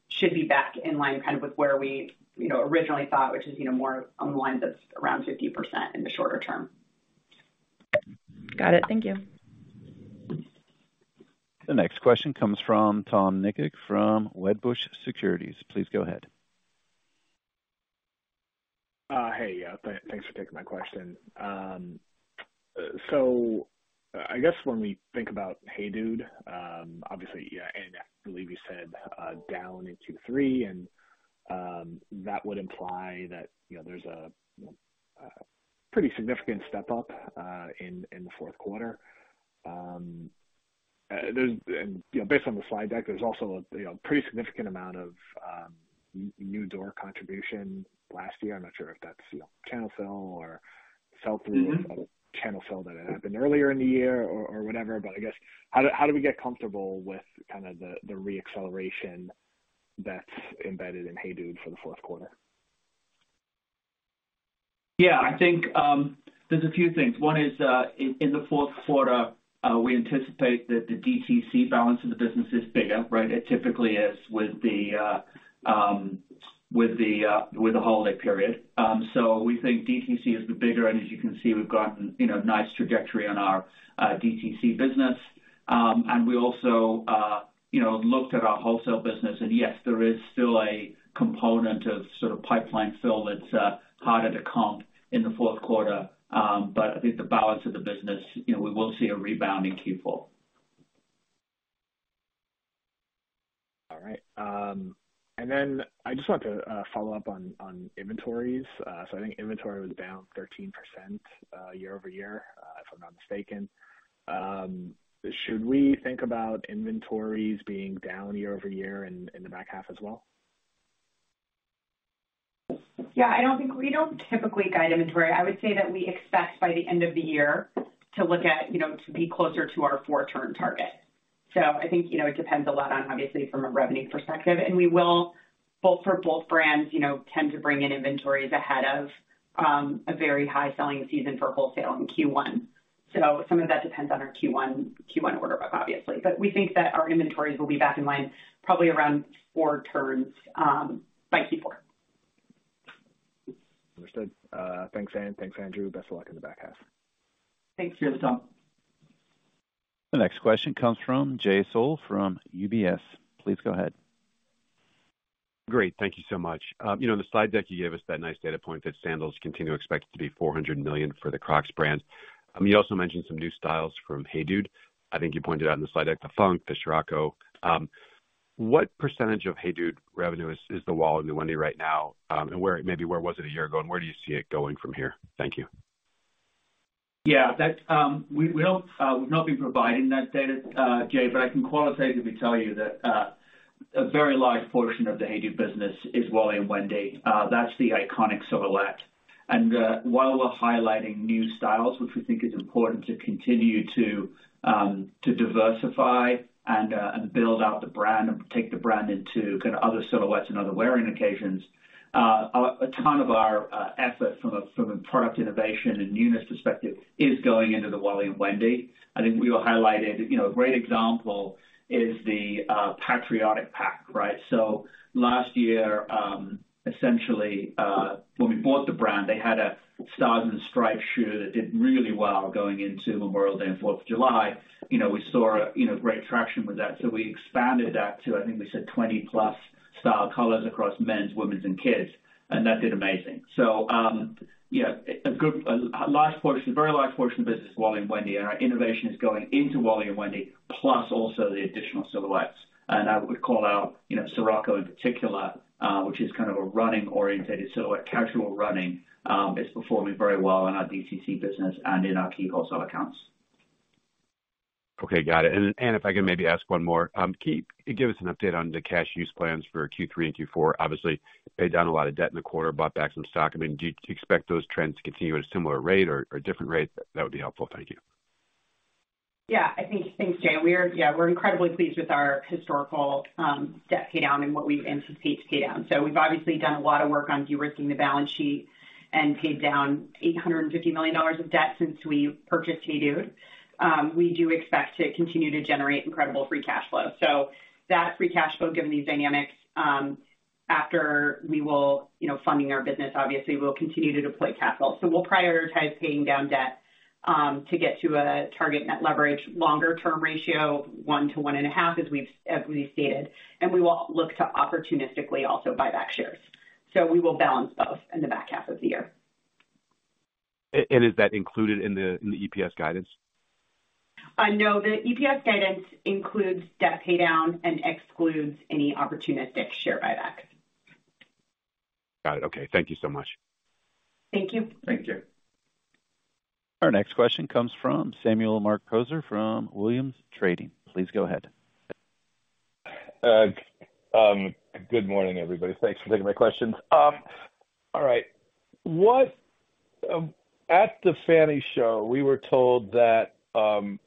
should be back in line, kind of with where we, you know, originally thought, which is, you know, more on the lines of around 50% in the shorter term. Got it. Thank you. The next question comes from Tom Nikic from Wedbush Securities. Please go ahead. Hey, yeah, thanks for taking my question. I guess when we think about HEYDUDE, obviously, yeah, I believe you said down in Q3, that would imply that, you know, there's a pretty significant step up in the Q4. There's and, you know, based on the slide deck, there's also a, you know, pretty significant amount of new door contribution last year. I'm not sure if that's, you know, channel fill or self-fill. -or channel fill that had happened earlier in the year or whatever. I guess, how do we get comfortable with kind of the reacceleration that's embedded in HEYDUDE for the Q4? Yeah, I think, there's a few things. One is, in, in the Q4, we anticipate that the DTC balance of the business is bigger, right? It typically is with the, with the holiday period. We think DTC is the bigger, and as you can see, we've gotten, you know, nice trajectory on our DTC business. We also, you know, looked at our wholesale business, and yes, there is still a component of sort of pipeline fill that's harder to comp in the Q4. I think the balance of the business, you know, we will see a rebound in Q4. All right. I just wanted to follow up on inventories. I think inventory was down 13% year-over-year if I'm not mistaken. Should we think about inventories being down year-over-year in the back half as well? Yeah, we don't typically guide inventory. I would say that we expect by the end of the year to look at, you know, to be closer to our four-term target. I think, you know, it depends a lot on, obviously, from a revenue perspective, and we will both for both brands, you know, tend to bring in inventories ahead of a very high selling season for wholesale in Q1. Some of that depends on our Q1 order bump, obviously. We think that our inventories will be back in line probably around four terms by Q4. Understood. Thanks, Anne. Thanks, Andrew. Best of luck in the back half. Thanks, Tom. The next question comes from Jay Sole from UBS. Please go ahead. Great. Thank you so much. You know, in the slide deck, you gave us that nice data point that sandals continue to expect to be $400 million for the Crocs brand. You also mentioned some new styles from HEYDUDE. I think you pointed out in the slide deck, the Funk, the Sirocco. What percentage of HEYDUDE revenue is, is the Wally and Wendy right now, and where maybe where was it a year ago, and where do you see it going from here? Thank you. Yeah, that. We don't, we've not been providing that data, Jay, but I can qualitatively tell you that a very large portion of the HEYDUDE business is Wally and Wendy. That's the iconic silhouette. While we're highlighting new styles, which we think is important to continue to diversify and build out the brand and take the brand into kind of other silhouettes and other wearing occasions, a ton of our effort from a product innovation and newness perspective is going into the Wally and Wendy. I think we were highlighted, you know, a great example is the Patriotic Pack, right? Last year, essentially, when we bought the brand, they had a stars and stripes shoe that did really well going into Memorial Day and Fourth of July. You know, we saw, you know, great traction with that we expanded that to, I think we said 20+ style colors across men's, women's, and kids, and that did amazing. Yeah, a good, a large portion, a very large portion of the business is Wally and Wendy, and our innovation is going into Wally and Wendy, plus also the additional silhouettes. I would call out, you know, Sirocco in particular, which is kind of a running-orientated silhouette, casual running, is performing very well in our DTC business and in our key wholesale accounts. Okay, got it. Anne, if I can maybe ask one more. Can you give us an update on the cash use plans for Q3 and Q4? Obviously, paid down a lot of debt in the quarter, bought back some stock i mean, do you expect those trends to continue at a similar rate or different rate? That would be helpful. Thank you. Thanks, Jay. We are, we're incredibly pleased with our historical debt paydown and what we anticipate to pay down we've obviously done a lot of work on de-risking the balance sheet and paid down $850 million of debt since we purchased HEYDUDE. We do expect to continue to generate incredible free cash flow. That free cash flow, given these dynamics, after we will, you know, funding our business, obviously, we'll continue to deploy capital. We'll prioritize paying down debt to get to a target net leverage, longer-term ratio, 1 to 1.5, as we've stated, and we will look to opportunistically also buy back shares. We will balance both in the back half of the year. Is that included in the EPS guidance? No, the EPS guidance includes debt paydown and excludes any opportunistic share buybacks. Got it. Okay. Thank you so much. Thank you. Thank you. Our next question comes from Samuel Marc Poser from Williams Trading. Please go ahead. Good morning, everybody. Thanks for taking my questions. All right. At the FANY Show, we were told that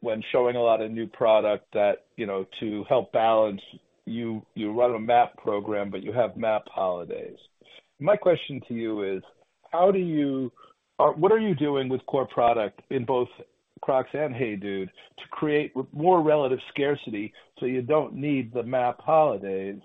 when showing a lot of new product that, you know, to help balance you run a MAP program, but you have MAP holidays. My question to you is: What are you doing with core product in both Crocs and HEYDUDE to create more relative scarcity so you don't need the MAP holidays,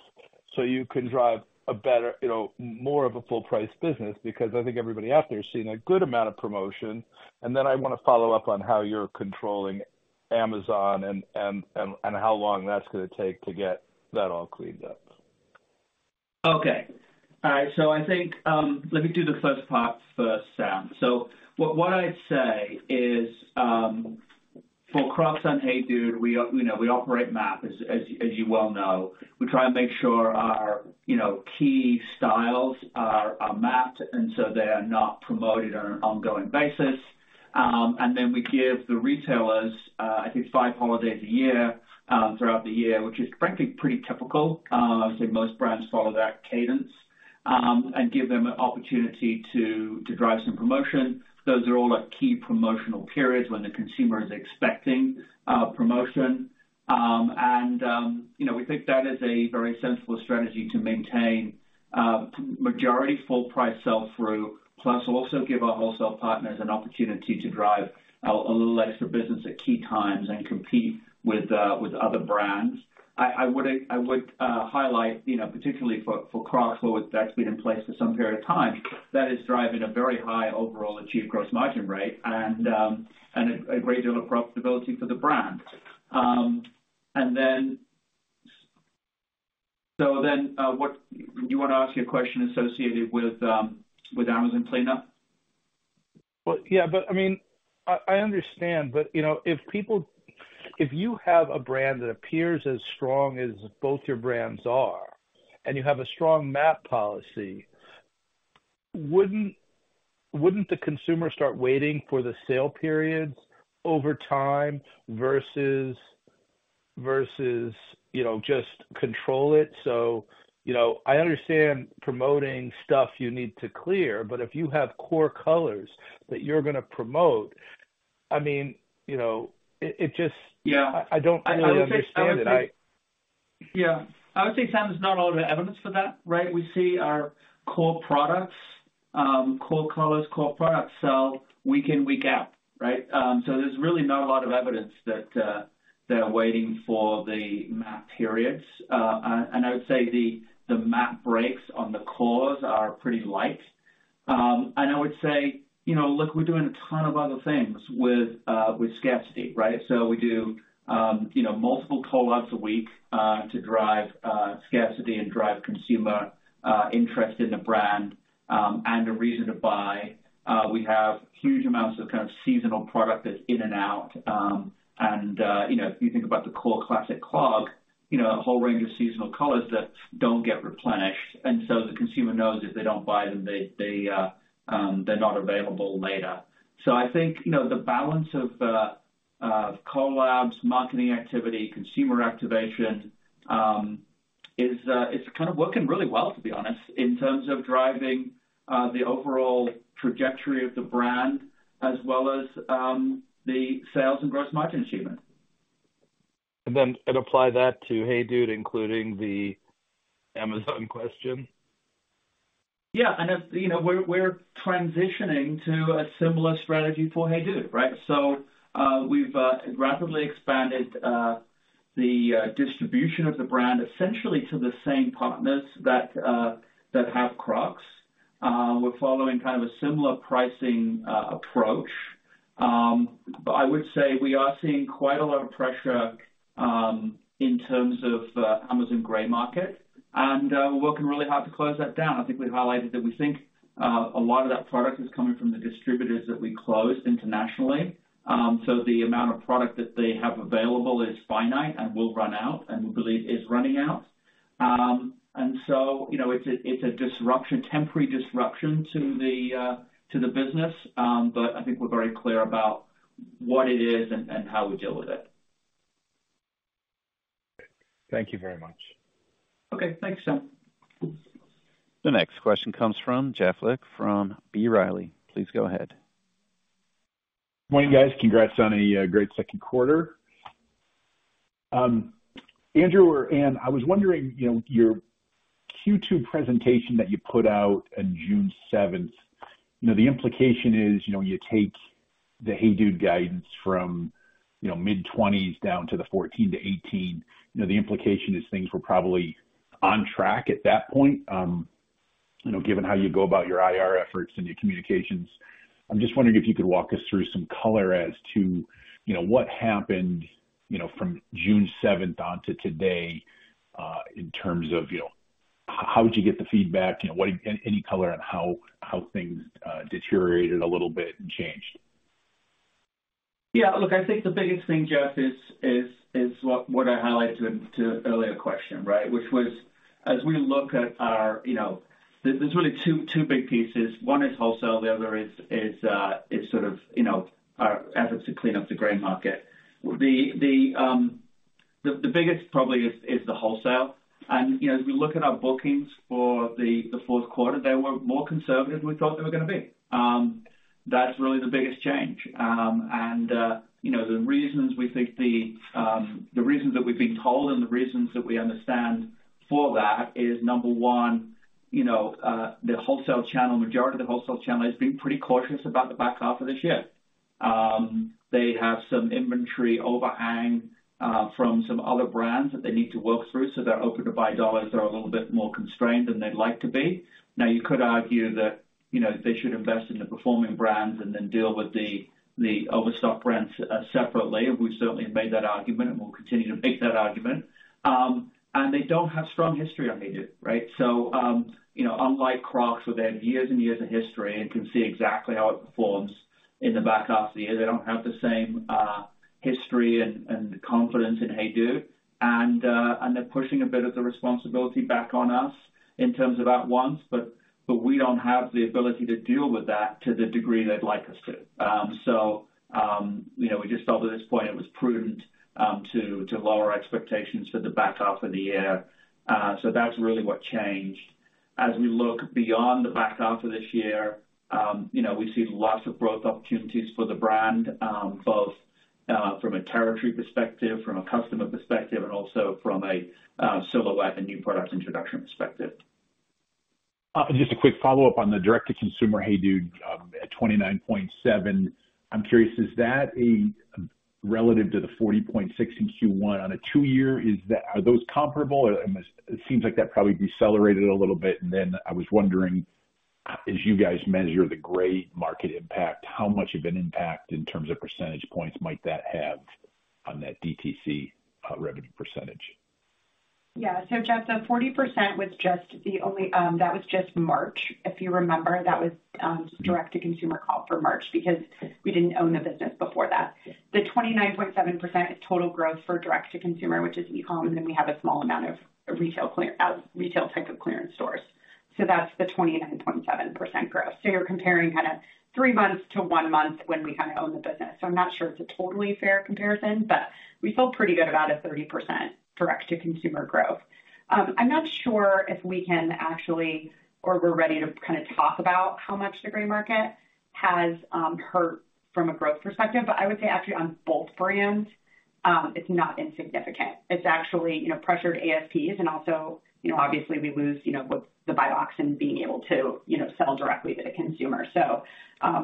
so you can drive a better, you know, more of a full price business? Because I think everybody out there is seeing a good amount of promotion. Then I want to follow up on how you're controlling MAP, Amazon and how long that's gonna take to get that all cleaned up? Okay. All right, I think, let me do the first part first, Sam. What I'd say is, for Crocs and HEYDUDE, we you know, we operate MAP as you well know. We try and make sure our, you know, key styles are mapped, and so they are not promoted on an ongoing basis. Then we give the retailers, I think five holidays a year, throughout the year, which is frankly pretty typical. I would say most brands follow that cadence, give them an opportunity to drive some promotion. Those are all at key promotional periods when the consumer is expecting, promotion. You know, we think that is a very sensible strategy to maintain majority full price sell-through, plus also give our wholesale partners an opportunity to drive a little extra business at key times and compete with other brands. I would highlight, you know, particularly for Crocs, where that's been in place for some period of time, that is driving a very high overall achieved gross margin rate and a great deal of profitability for the brand. You wanna ask your question associated with Amazon cleanup? Yeah, but I mean, I, I understand, but, you know, if you have a brand that appears as strong as both your brands are, and you have a strong MAP policy, wouldn't the consumer start waiting for the sale periods over time versus, you know, just control it? You know, I understand promoting stuff you need to clear, but if you have core colors that you're gonna promote, I mean, you know, it just… Yeah. I don't really understand it. I would say, Sam, there's not a lot of evidence for that, right? We see our core products, core colors, core products sell week in, week out, right? There's really not a lot of evidence that they're waiting for the MAP periods. I would say the MAP breaks on the cores are pretty light. I would say, you know, look, we're doing a ton of other things with scarcity, right? We do, you know, multiple collabs a week to drive scarcity and drive consumer interest in the brand and a reason to buy. We have huge amounts of kind of seasonal product that's in and out. You know, if you think about the core Classic Clog, you know, a whole range of seasonal colors that don't get replenished, and so the consumer knows if they don't buy them, they're not available later. I think, you know, the balance of collabs, marketing activity, consumer activation, is kind of working really well, to be honest, in terms of driving the overall trajectory of the brand, as well as the sales and gross margin achievement. Apply that to HEYDUDE, including the Amazon question? Yeah, you know, we're transitioning to a similar strategy for HEYDUDE, right? We've rapidly expanded the distribution of the brand essentially to the same partners that have Crocs. We're following kind of a similar pricing approach. I would say we are seeing quite a lot of pressure in terms of Amazon gray market, and we're working really hard to close that down. I think we've highlighted that we think a lot of that product is coming from the distributors that we closed internationally. The amount of product that they have available is finite and will run out, and we believe is running out. You know, it's a disruption, temporary disruption to the business. I think we're very clear about what it is and how we deal with it. Thank you very much. Okay. Thanks, Sam. The next question comes from Jeffrey Lick from B. Riley. Please go ahead. Morning, guys. Congrats on a great Q2. Andrew or Anne, I was wondering, you know, your Q2 presentation that you put out on June seventh, you know, the implication is, you know, you take the HEYDUDE guidance from, you know, mid-20s down to the 14 to 18. You know, the implication is things were probably on track at that point, you know, given how you go about your IR efforts and your communications. I'm just wondering if you could walk us through some color as to, you know, what happened, you know, from June seventh on to today, in terms of, you know, how did you get the feedback? You know, any, any color on how things deteriorated a little bit and changed? Yeah, look, I think the biggest thing, Jeff, is what I highlighted to an earlier question, right? Which was, as we look at our. You know, there's really two big pieces. One is wholesale, the other is sort of, you know, our efforts to clean up the gray market. The biggest probably is the wholesale. You know, as we look at our bookings for the Q4, they were more conservative than we thought they were gonna be. That's really the biggest change. You know, the reasons we think the reasons that we've been told and the reasons that we understand for that is, number one, you know, the wholesale channel, majority of the wholesale channel has been pretty cautious about the back half of this year. They have some inventory overhang. From some other brands that they need to work through, so their open-to-buy dollars are a little bit more constrained than they'd like to be. You could argue that, you know, they should invest in the performing brands and then deal with the, the overstock brands separately we've certainly made that argument, and we'll continue to make that argument. They don't have strong history on HEYDUDE, right? You know, unlike Crocs, where they have years and years of history and can see exactly how it performs in the back half of the year, they don't have the same history and confidence in HEYDUDE. They're pushing a bit of the responsibility back on us in terms of at-once, but we don't have the ability to deal with that to the degree they'd like us to. You know, we just felt at this point it was prudent to lower expectations for the back half of the year. That's really what changed. As we look beyond the back half of this year, you know, we see lots of growth opportunities for the brand, both from a territory perspective, from a customer perspective, and also from a silhouette and new product introduction perspective. Just a quick follow-up on the direct-to-consumer HEYDUDE, at 29.7%. I'm curious, is that relative to the 40.6% in Q1 on a two-year, are those comparable? It seems like that probably decelerated a little bit. I was wondering, as you guys measure the gray market impact, how much of an impact in terms of percentage points might that have on that DTC revenue %? Jeff, 40% was just the only that was just March. If you remember, that was direct-to-consumer call for March, because we didn't own the business before that. The 29.7% is total growth for direct-to-consumer, which is e-com, we have a small amount of retail type of clearance stores. That's the 29.7% growth you're comparing kind of three months to one month when we kind of own the business i'm not sure it's a totally fair comparison, we feel pretty good about a 30% direct-to-consumer growth. I'm not sure if we can actually or we're ready to kind of talk about how much the gray market has hurt from a growth perspective, I would say actually on both brands, it's not insignificant. It's actually, you know, pressured ASPs and also, you know, obviously we lose, you know, with the buy-backs and being able to, you know, sell directly to the consumer.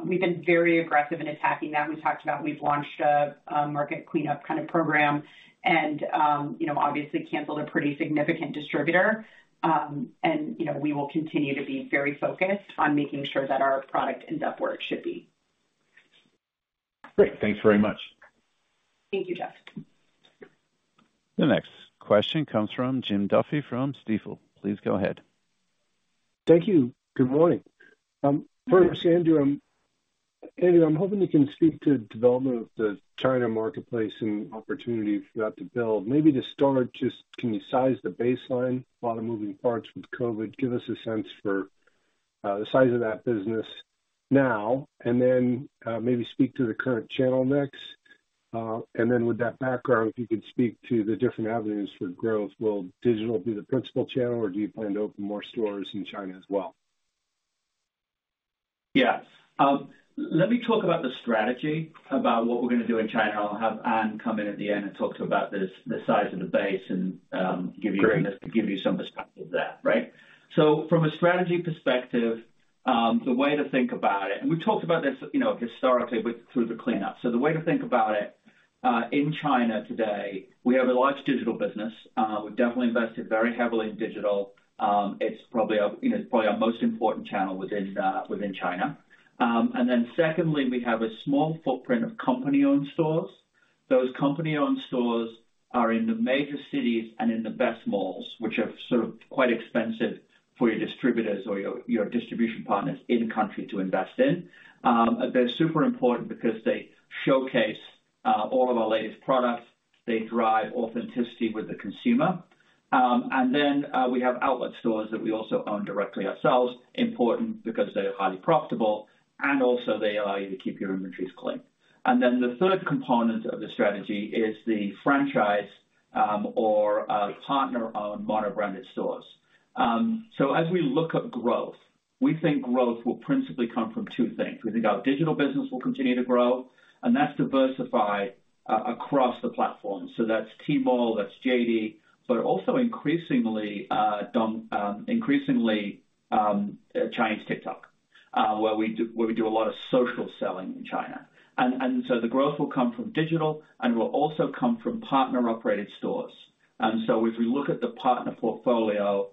We've been very aggressive in attacking that we talked about we've launched a market cleanup kind of program, you know, obviously canceled a pretty significant distributor. You know, we will continue to be very focused on making sure that our product ends up where it should be. Great. Thanks very much. Thank you, Jeff. The next question comes from Jim Duffy from Stifel. Please go ahead. Thank you. Good morning. First, Andrew, I'm hoping you can speak to the development of the China marketplace and opportunity throughout the build maybe to start, just can you size the baseline, a lot of moving parts with COVID? Give us a sense for the size of that business now, and then maybe speak to the current channel mix. With that background, if you could speak to the different avenues for growth will digital be the principal channel, or do you plan to open more stores in China as well? Yeah. Let me talk about the strategy about what we're going to do in China. I'll have Anne come in at the end and talk to you about the size of the base and, give you- Great. Give you some perspective there, right? From a strategy perspective, the way to think about it, and we've talked about this, you know, historically through the cleanup. The way to think about it, in China today, we have a large digital business. We've definitely invested very heavily in digital. It's probably our, you know, probably our most important channel within China. Then secondly, we have a small footprint of company-owned stores. Those company-owned stores are in the major cities and in the best malls, which are sort of quite expensive for your distributors or your distribution partners in country to invest in. They're super important because they showcase all of our latest products. They drive authenticity with the consumer. Then we have outlet stores that we also own directly ourselves. Important because they are highly profitable, and also they allow you to keep your inventories clean. The third component of the strategy is the franchise, or partner-owned mono-branded stores. As we look at growth, we think growth will principally come from two things: We think our digital business will continue to grow, and that's diversified across the platform. That's Tmall, that's, [inaudible] but also increasingly China's TikTok, where we do a lot of social selling in China. The growth will come from digital and will also come from partner-operated stores. As we look at the partner portfolio,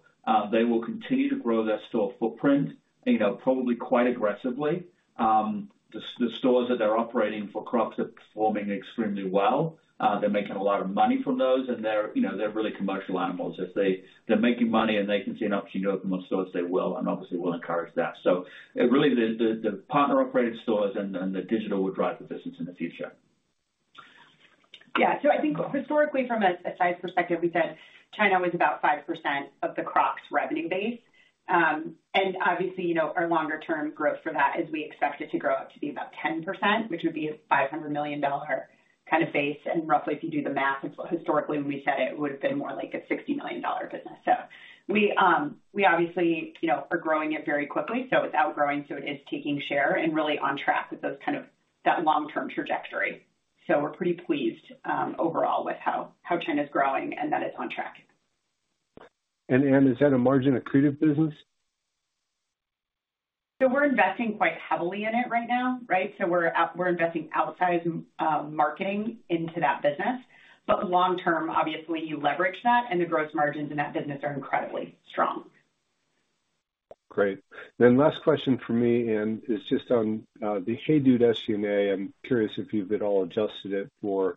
they will continue to grow their store footprint, you know, probably quite aggressively. The stores that they're operating for Crocs are performing extremely well. They're making a lot of money from those, and they're, you know, they're really commercial animals. If they're making money and they can see an opportunity to open more stores, they will, and obviously we'll encourage that. Really, the partner-operated stores and the digital will drive the business in the future. Yeah. I think historically, from a size perspective, we said China was about 5% of the Crocs revenue base. Obviously, you know, our longer-term growth for that is we expect it to grow up to be about 10%, which would be a $500 million kind of base. Roughly, if you do the math, historically, when we said it would have been more like a $60 million business. We obviously, you know, are growing it very quickly, so it's outgrowing, so it is taking share and really on track with those kind of that long-term trajectory. We're pretty pleased overall with how China's growing and that it's on track. Anne, is that a margin-accretive business? We're investing quite heavily in it right now, right? We're investing outsized marketing into that business. Long term, obviously, you leverage that, and the gross margins in that business are incredibly strong. Great. Last question for me, it's just on the HEYDUDE SG&A. I'm curious if you've at all adjusted it for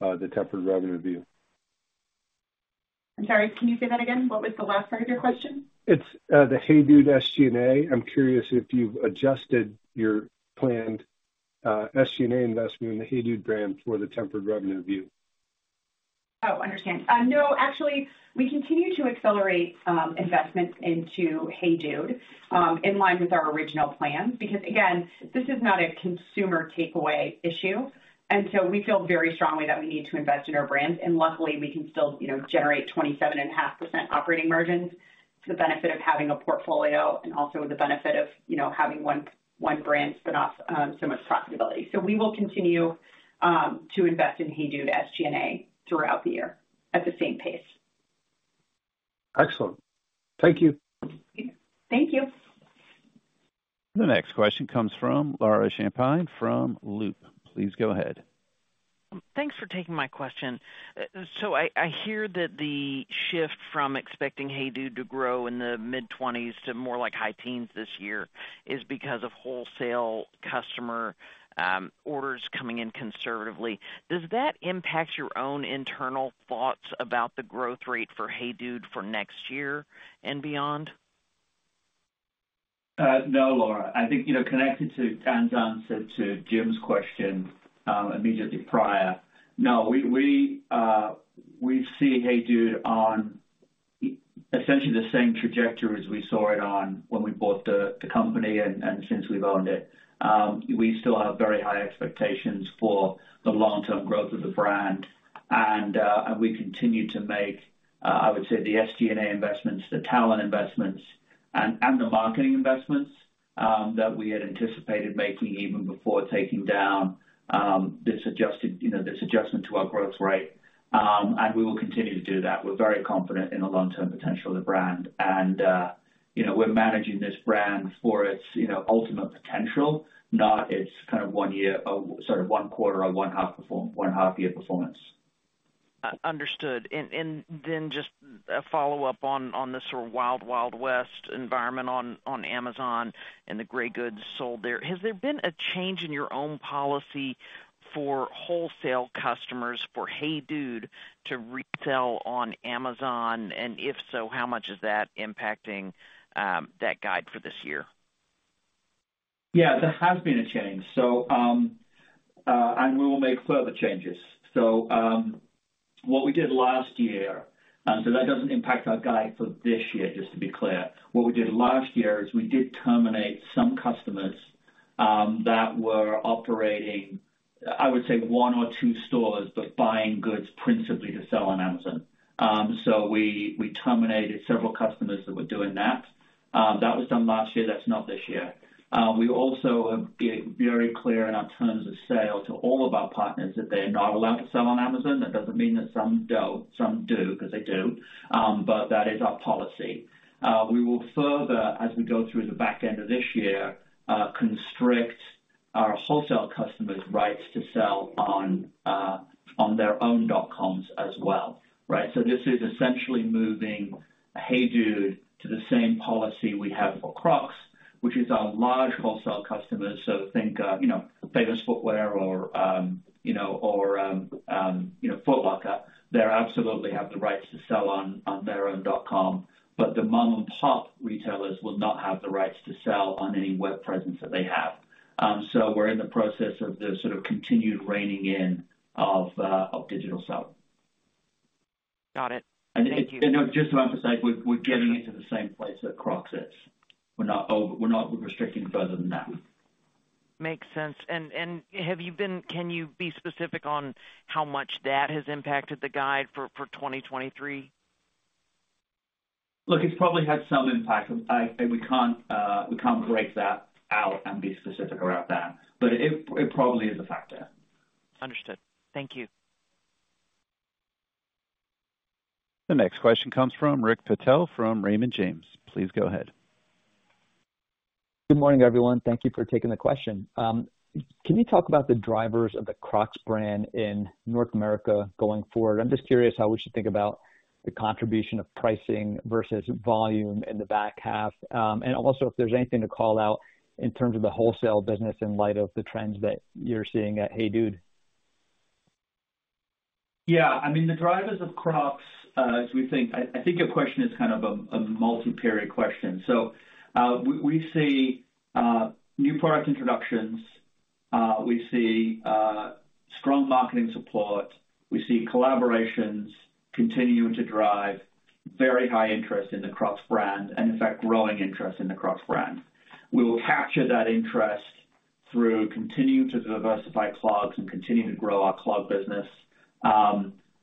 the tempered revenue view. I'm sorry, can you say that again? What was the last part of your question? It's, the HEYDUDE SG&A. I'm curious if you've adjusted your planned, SG&A investment in the HEYDUDE brand for the tempered revenue view. Understand. No, actually, we continue to accelerate investments into HEYDUDE in line with our original plan because again, this is not a consumer takeaway issue. We feel very strongly that we need to invest in our brands, and luckily, we can still, you know, generate 27.5% operating margins. It's the benefit of having a portfolio and also the benefit of, you know, having one brand spin off so much profitability we will continue to invest in HEYDUDE SG&A throughout the year at the same pace. Excellent. Thank you. Thank you. The next question comes from Laura Champine from Loop. Please go ahead. Thanks for taking my question. I hear that the shift from expecting HEYDUDE to grow in the mid-20s to more like high teens this year is because of wholesale customer orders coming in conservatively. Does that impact your own internal thoughts about the growth rate for HEYDUDE for next year and beyond? No, Laura. I think, you know, connected to, and answer to Jim's question, immediately prior. No, we see HEYDUDE on essentially the same trajectory as we saw it on when we bought the company and since we've owned it. We still have very high expectations for the long-term growth of the brand, and we continue to make, I would say, the SG&A investments, the talent investments, and the marketing investments, that we had anticipated making even before taking down this adjusted, you know, this adjustment to our growth rate. We will continue to do that we're very confident in the long-term potential of the brand, and, you know, we're managing this brand for its, you know, ultimate potential, not its kind of one year of sort of one quarter or one half year performance. Understood. Then just a follow-up on, on this sort of Wild Wild West environment on, on Amazon and the gray goods sold there. Has there been a change in your own policy for wholesale customers for HEYDUDE to resell on Amazon? If so, how much is that impacting, that guide for this year? Yeah, there has been a change. We will make further changes. What we did last year, and that doesn't impact our guide for this year, just to be clear. What we did last year is we did terminate some customers, that were operating, I would say, one or two stores, but buying goods principally to sell on Amazon. We, we terminated several customers that were doing that. That was done last year that's not this year. We also have been very clear in our terms of sale to all of our partners that they are not allowed to sell on Amazon. That doesn't mean that some don't some do, 'cause they do, but that is our policy. We will further, as we go through the back end of this year, constrict our wholesale customers' rights to sell on their own dot-coms as well, right? This is essentially moving HEYDUDE to the same policy we have for Crocs, which is our large wholesale customers think, you know, Famous Footwear or, you know, or, you know, Foot Locker. They absolutely have the rights to sell on their own dot-com, but the mom-and-pop retailers will not have the rights to sell on any web presence that they have. We're in the process of the sort of continued reining in of digital selling. Got it. Thank you. Just to emphasize, we're getting it to the same place that Crocs is. We're not restricting further than that. Makes sense. Can you be specific on how much that has impacted the guide for 2023? Look, it's probably had some impact. We can't break that out and be specific about that, but it probably is a factor. Understood. Thank you. The next question comes from Rick Patel from Raymond James. Please go ahead. Good morning, everyone. Thank you for taking the question. Can you talk about the drivers of the Crocs brand in North America going forward? I'm just curious how we should think about the contribution of pricing versus volume in the back half. If there's anything to call out in terms of the wholesale business in light of the trends that you're seeing at HEYDUDE. I mean, the drivers of Crocs, I think your question is kind of a multi-period question. We see new product introductions, we see strong marketing support, we see collaborations continuing to drive very high interest in the Crocs brand, and in fact, growing interest in the Crocs brand. We will capture that interest through continuing to diversify clogs and continuing to grow our clog business,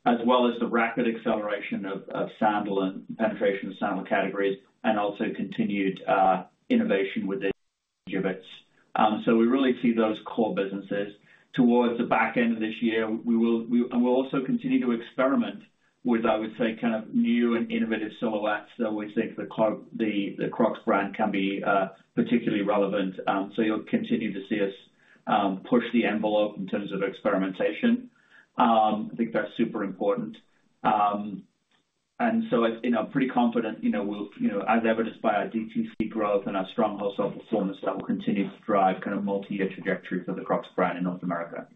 as well as the rapid acceleration of sandal and penetration of sandal categories, and also continued innovation within. We really see those core businesses towards the back end of this year, we'll also continue to experiment with, I would say, kind of new and innovative silhouettes that we think the Crocs brand can be particularly relevant. You'll continue to see us push the envelope in terms of experimentation. I think that's super important. You know, I'm pretty confident, you know, we'll, you know, as evidenced by our DTC growth and our strong wholesale performance, that will continue to drive kind of multi-year trajectory for the Crocs brand in North America.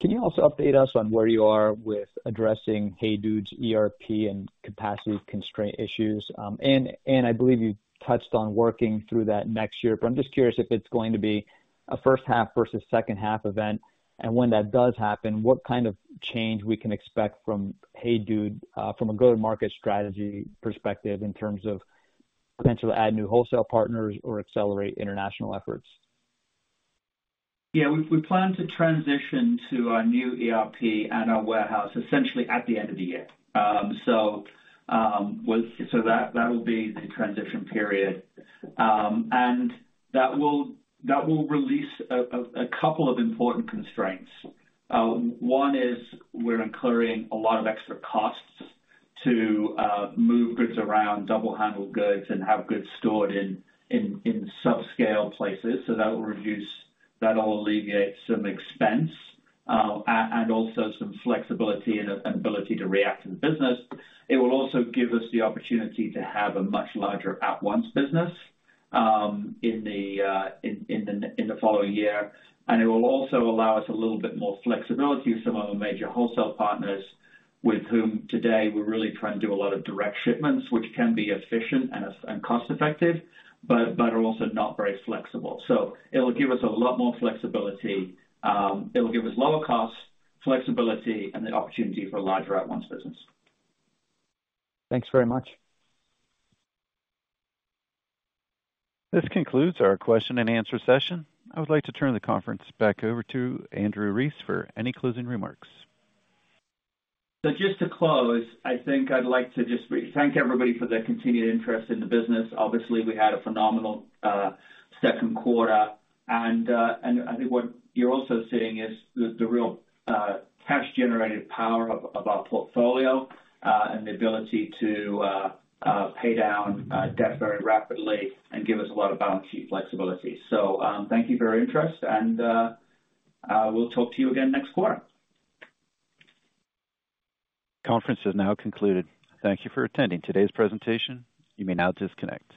Can you also update us on where you are with addressing HEYDUDE's ERP and capacity constraint issues? I believe you touched on working through that next year, but I'm just curious if it's going to be a first half versus second half event, and when that does happen, what kind of change we can expect from HEYDUDE, from a go-to-market strategy perspective, in terms of potential to add new wholesale partners or accelerate international efforts? Yeah, we plan to transition to our new ERP and our warehouse, essentially at the end of the year. That will be the transition period. That will release a couple of important constraints. One is we're incurring a lot of extra costs to move goods around, double handle goods, and have goods stored in subscale places that will reduce. That'll alleviate some expense and also some flexibility and ability to react to the business. It will also give us the opportunity to have a much larger at-once business in the following year. It will also allow us a little bit more flexibility with some of our major wholesale partners, with whom today we're really trying to do a lot of direct shipments, which can be efficient and cost-effective, but are also not very flexible. It'll give us a lot more flexibility. It'll give us lower costs, flexibility, and the opportunity for a larger at-once business. Thanks very much. This concludes our question-and-answer session. I would like to turn the conference back over to Andrew Rees for any closing remarks. Just to close, I think I'd like to just thank everybody for their continued interest in the business. Obviously, we had a phenomenal Q2, and I think what you're also seeing is the real cash-generating power of our portfolio, and the ability to pay down debt very rapidly and give us a lot of balance sheet flexibility. Thank you for your interest, and we'll talk to you again next quarter. Conference is now concluded. Thank you for attending today's presentation. You may now disconnect.